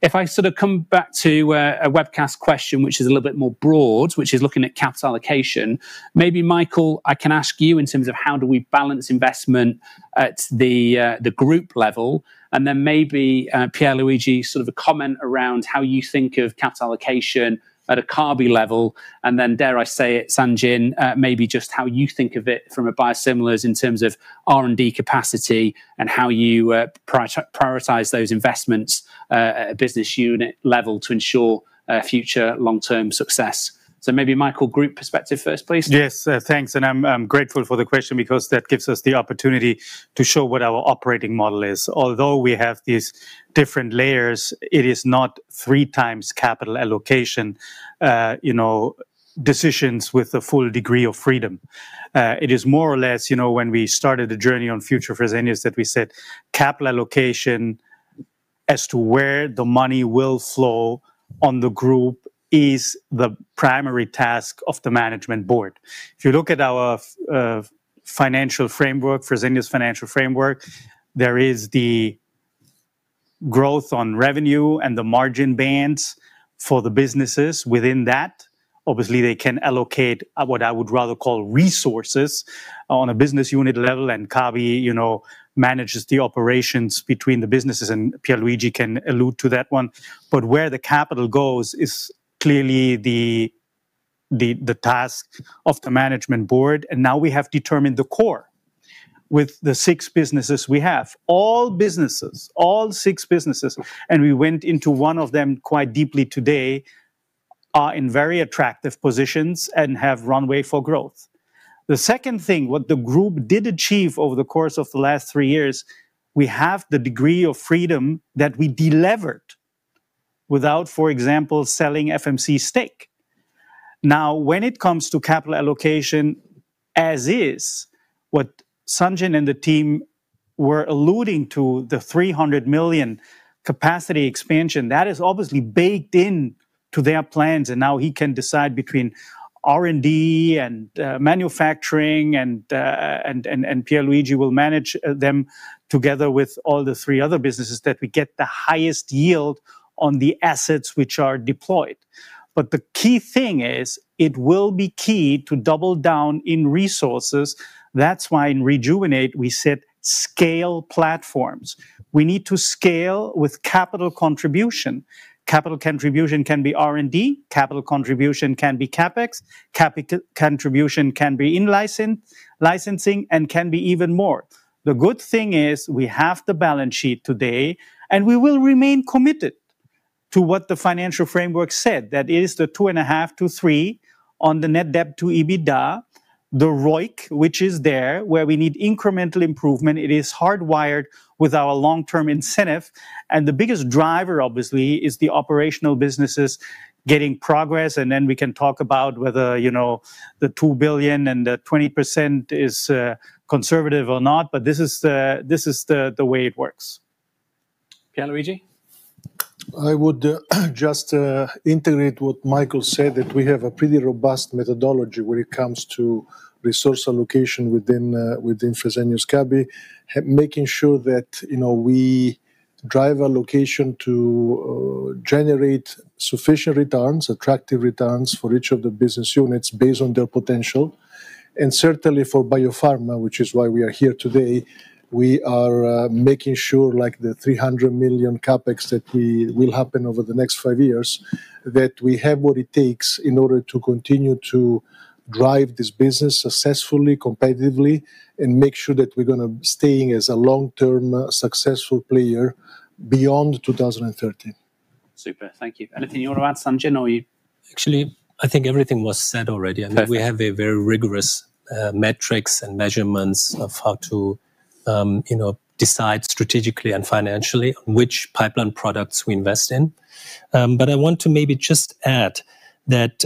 If I sort of come back to a webcast question, which is a little bit more broad, which is looking at capital allocation, maybe, Michael, I can ask you in terms of how do we balance investment at the group level. And then maybe Pierluigi, sort of a comment around how you think of capital allocation at a Kabi level. And then dare I say it, Sang-Jin, maybe just how you think of it from a biosimilars in terms of R&D capacity and how you prioritize those investments at a business unit level to ensure future long-term success. So maybe, Michael, group perspective first, please. Yes. Thanks. And I'm grateful for the question because that gives us the opportunity to show what our operating model is. Although we have these different layers, it is not three times capital allocation decisions with the full degree of freedom. It is more or less when we started the journey on future priorities that we said capital allocation as to where the money will flow on the group is the primary task of the management board. If you look at our financial framework, Fresenius financial framework, there is the growth on revenue and the margin bands for the businesses within that. Obviously, they can allocate what I would rather call resources on a business unit level, and Kabi manages the operations between the businesses. Pierluigi can allude to that one, but where the capital goes is clearly the task of the management board. Now we have determined the core with the six businesses we have. All businesses, all six businesses, and we went into one of them quite deeply today, are in very attractive positions and have runway for growth. The second thing, what the group did achieve over the course of the last three years, we have the degree of freedom that we delivered without, for example, selling FMC stake. Now, when it comes to capital allocation as is, what Sang-Jin and the team were alluding to, the 300 million capacity expansion, that is obviously baked into their plans, and now he can decide between R&D and Manufacturing, and Pierluigi will manage them together with all the three other businesses that we get the highest yield on the assets which are deployed, but the key thing is it will be key to double down in resources. That's why in rejuvenate, we said scale platforms. We need to scale with capital contribution. Capital contribution can be R&D, capital contribution can be CapEx, capital contribution can be in licensing, and can be even more. The good thing is we have the balance sheet today, and we will remain committed to what the financial framework said, that it is the two and a half to three on the net debt to EBITDA, the ROIC, which is there where we need incremental improvement. It is hardwired with our long-term incentive. And the biggest driver, obviously, is the operational businesses getting progress. And then we can talk about whether the 2 billion and the 20% is conservative or not, but this is the way it works. Pierluigi? I would just integrate what Michael said, that we have a pretty robust methodology when it comes to resource allocation within Fresenius Kabi, making sure that we drive our allocation to generate sufficient returns, attractive returns for each of the business units based on their potential. Certainly for biopharma, which is why we are here today, we are making sure like the 300 million CapEx that will happen over the next five years, that we have what it takes in order to continue to drive this business successfully, competitively, and make sure that we're going to stay as a long-term successful player beyond 2030. Super. Thank you. Anything you want to add, Sang-Jin, or you? Actually, I think everything was said already. I think we have very rigorous metrics and measurements of how to decide strategically and financially on which pipeline products we invest in. But I want to maybe just add that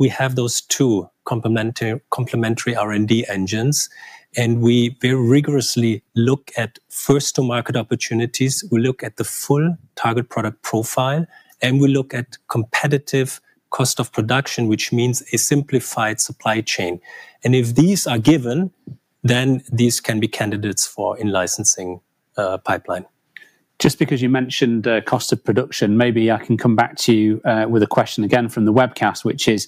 we have those two complementary R&D engines, and we very rigorously look at first-to-market opportunities. We look at the full target product profile, and we look at competitive cost of production, which means a simplified supply chain. If these are given, then these can be candidates for in-licensing pipeline. Just because you mentioned cost of production, maybe I can come back to you with a question again from the webcast, which is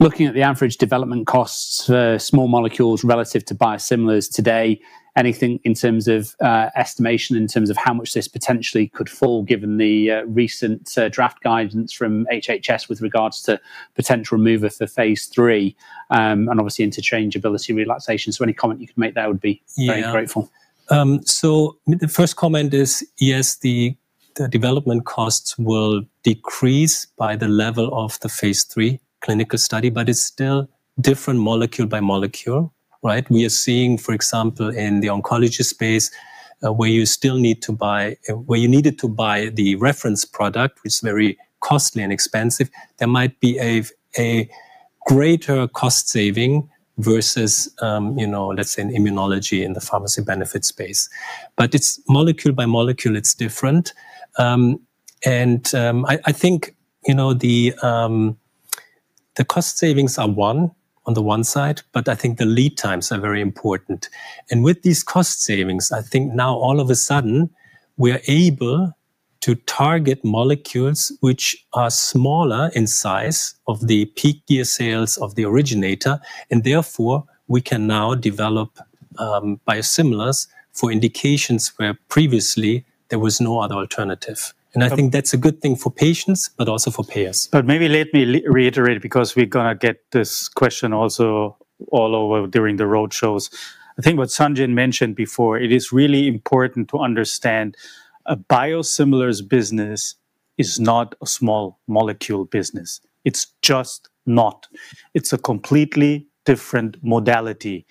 looking at the average development costs for small molecules relative to biosimilars today, anything in terms of estimation in terms of how much this potentially could fall given the recent draft guidance from HHS with regards to potential removal for Phase III and obviously interchangeability relaxation. Any comment you can make, that would be very grateful. The first comment is, yes, the development costs will decrease by the level of the Phase III clinical study, but it's still different molecule by molecule. Right? We are seeing, for example, in the oncology space where you still need to buy, where you needed to buy the reference product, which is very costly and expensive. There might be a greater cost saving versus, let's say, in immunology in the pharmacy benefit space. But it's molecule by molecule. It's different. I think the cost savings are one on the one side, but I think the lead times are very important. With these cost savings, I think now all of a sudden, we are able to target molecules which are smaller in size of the peak sales of the originator, and therefore we can now develop biosimilars for indications where previously there was no other alternative. I think that's a good thing for patients, but also for payers. But maybe let me reiterate because we're going to get this question also all over during the road shows. I think what Sang-Jin mentioned before, it is really important to understand a biosimilars business is not a small molecule business. It's just not. It's a completely different modality.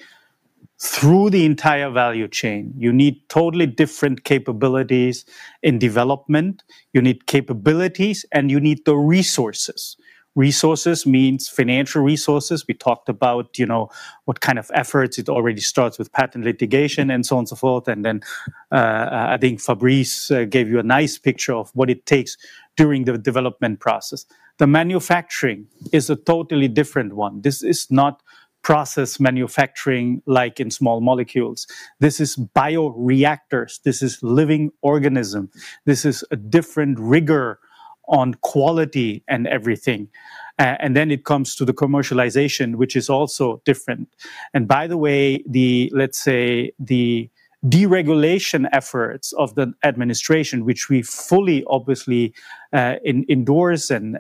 Through the entire value chain, you need totally different capabilities in development. You need capabilities, and you need the resources. Resources means financial resources. We talked about what kind of efforts. It already starts with patent litigation and so on and so forth. And then I think Fabrice gave you a nice picture of what it takes during the development process. The manufacturing is a totally different one. This is not process manufacturing like in small molecules. This is bioreactors. This is living organism. This is a different rigor on quality and everything. And then it comes to the commercialization, which is also different. And by the way, let's say the deregulation efforts of the administration, which we fully obviously endorse and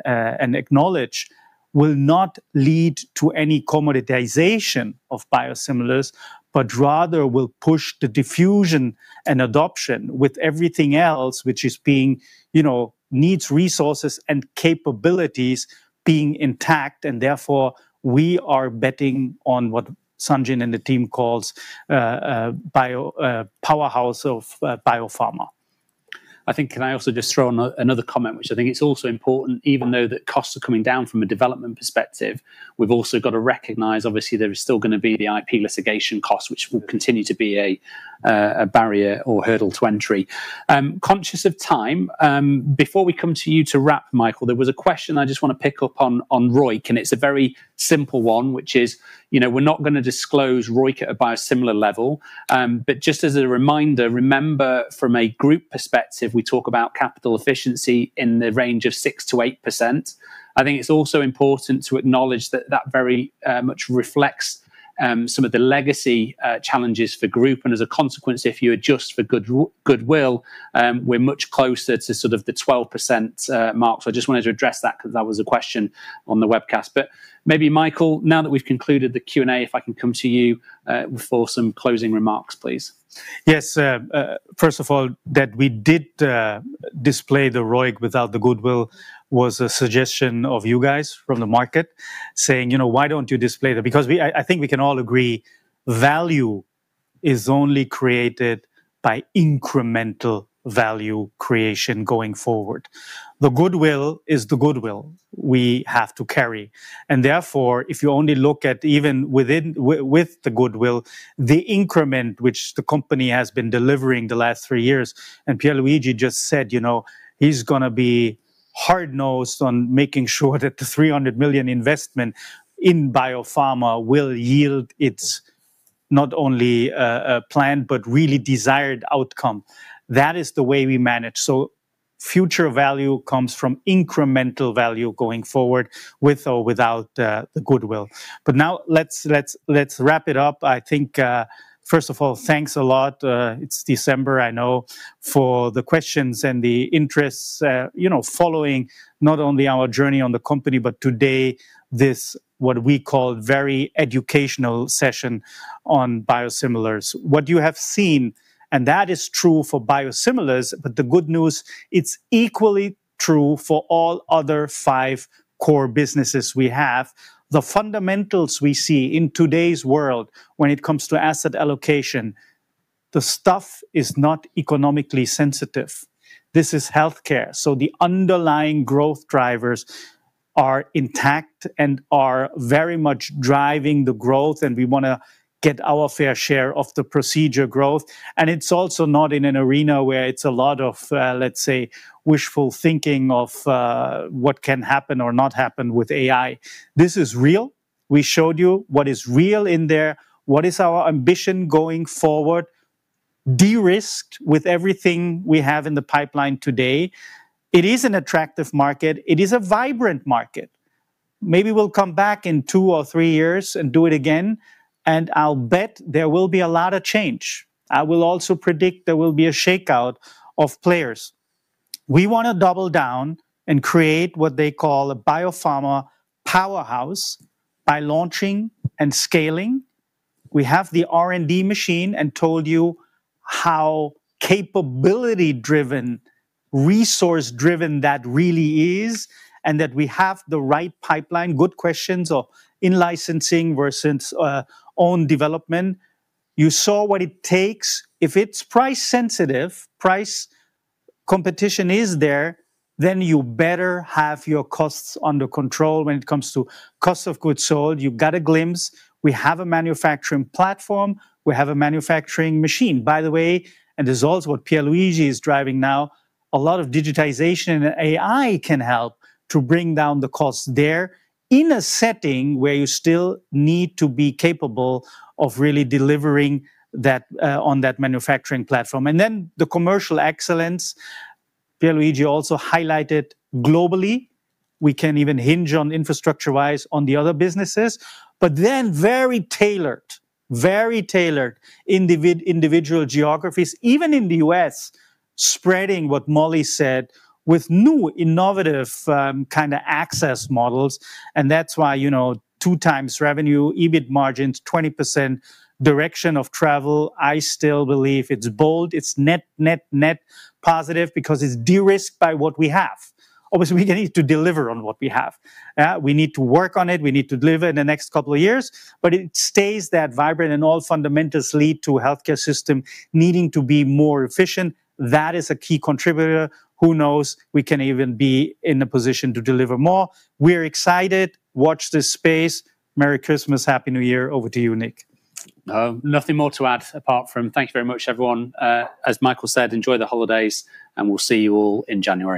acknowledge, will not lead to any commoditization of biosimilars, but rather will push the diffusion and adoption with everything else, which needs resources and capabilities being intact. And therefore, we are betting on what Sang-Jin and the team calls a powerhouse of biopharma. I think, can I also just throw in another comment, which I think is also important, even though the costs are coming down from a development perspective, we've also got to recognize, obviously, there is still going to be the IP litigation costs, which will continue to be a barrier or hurdle to entry. Conscious of time, before we come to you to wrap, Michael, there was a question I just want to pick up on ROIC, and it's a very simple one, which is we're not going to disclose ROIC at a biosimilar level. But just as a reminder, remember from a group perspective, we talk about capital efficiency in the range of 6%-8%. I think it's also important to acknowledge that that very much reflects some of the legacy challenges for group. And as a consequence, if you adjust for goodwill, we're much closer to sort of the 12% mark. So I just wanted to address that because that was a question on the webcast. But maybe, Michael, now that we've concluded the Q&A, if I can come to you for some closing remarks, please. Yes. First of all, that we did display the ROIC without the goodwill was a suggestion of you guys from the market saying, "Why don't you display the?" Because I think we can all agree value is only created by incremental value creation going forward. The goodwill is the goodwill we have to carry. And therefore, if you only look at even with the goodwill, the increment which the company has been delivering the last three years, and Pierluigi just said he's going to be hard-nosed on making sure that the 300 million investment in biopharma will yield its not only planned, but really desired outcome. That is the way we manage. So future value comes from incremental value going forward with or without the goodwill. But now let's wrap it up. I think, first of all, thanks a lot. It's December, I know, for the questions and the interests following not only our journey on the company, but today this, what we call, very educational session on biosimilars. What you have seen, and that is true for biosimilars, but the good news, it's equally true for all other five core businesses we have. The fundamentals we see in today's world when it comes to asset allocation, the stuff is not economically sensitive. This is healthcare. So the underlying growth drivers are intact and are very much driving the growth, and we want to get our fair share of the procedure growth, and it's also not in an arena where it's a lot of, let's say, wishful thinking of what can happen or not happen with AI. This is real. We showed you what is real in there, what is our ambition going forward, de-risked with everything we have in the pipeline today. It is an attractive market. It is a vibrant market. Maybe we'll come back in two or three years and do it again. And I'll bet there will be a lot of change. I will also predict there will be a shakeout of players. We want to double down and create what they call a biopharma powerhouse by launching and scaling. We have the R&D machine and told you how capability-driven, resource-driven that really is, and that we have the right pipeline, good questions of in-licensing versus own development. You saw what it takes. If it's price-sensitive, price competition is there, then you better have your costs under control when it comes to cost of goods sold. You've got a glimpse. We have a manufacturing platform. We have a manufacturing machine, by the way, and it's also what Pierluigi is driving now. A lot of digitalization and AI can help to bring down the cost there in a setting where you still need to be capable of really delivering on that manufacturing platform. And then the commercial excellence, Pierluigi also highlighted globally. We can even hinge on infrastructure-wise on the other businesses, but then very tailored, very tailored individual geographies, even in the U.S., spreading what Molly said with new innovative kind of access models. And that's why two times revenue, EBIT margins, 20% direction of travel. I still believe it's bold. It's net, net, net positive because it's de-risked by what we have. Obviously, we need to deliver on what we have. We need to work on it. We need to deliver in the next couple of years. But it stays that vibrant and all fundamentals lead to healthcare system needing to be more efficient. That is a key contributor. Who knows? We can even be in a position to deliver more. We're excited. Watch this space. Merry Christmas. Happy New Year. Over to you, Nick. Nothing more to add apart from thank you very much, everyone. As Michael said, enjoy the holidays, and we'll see you all in January.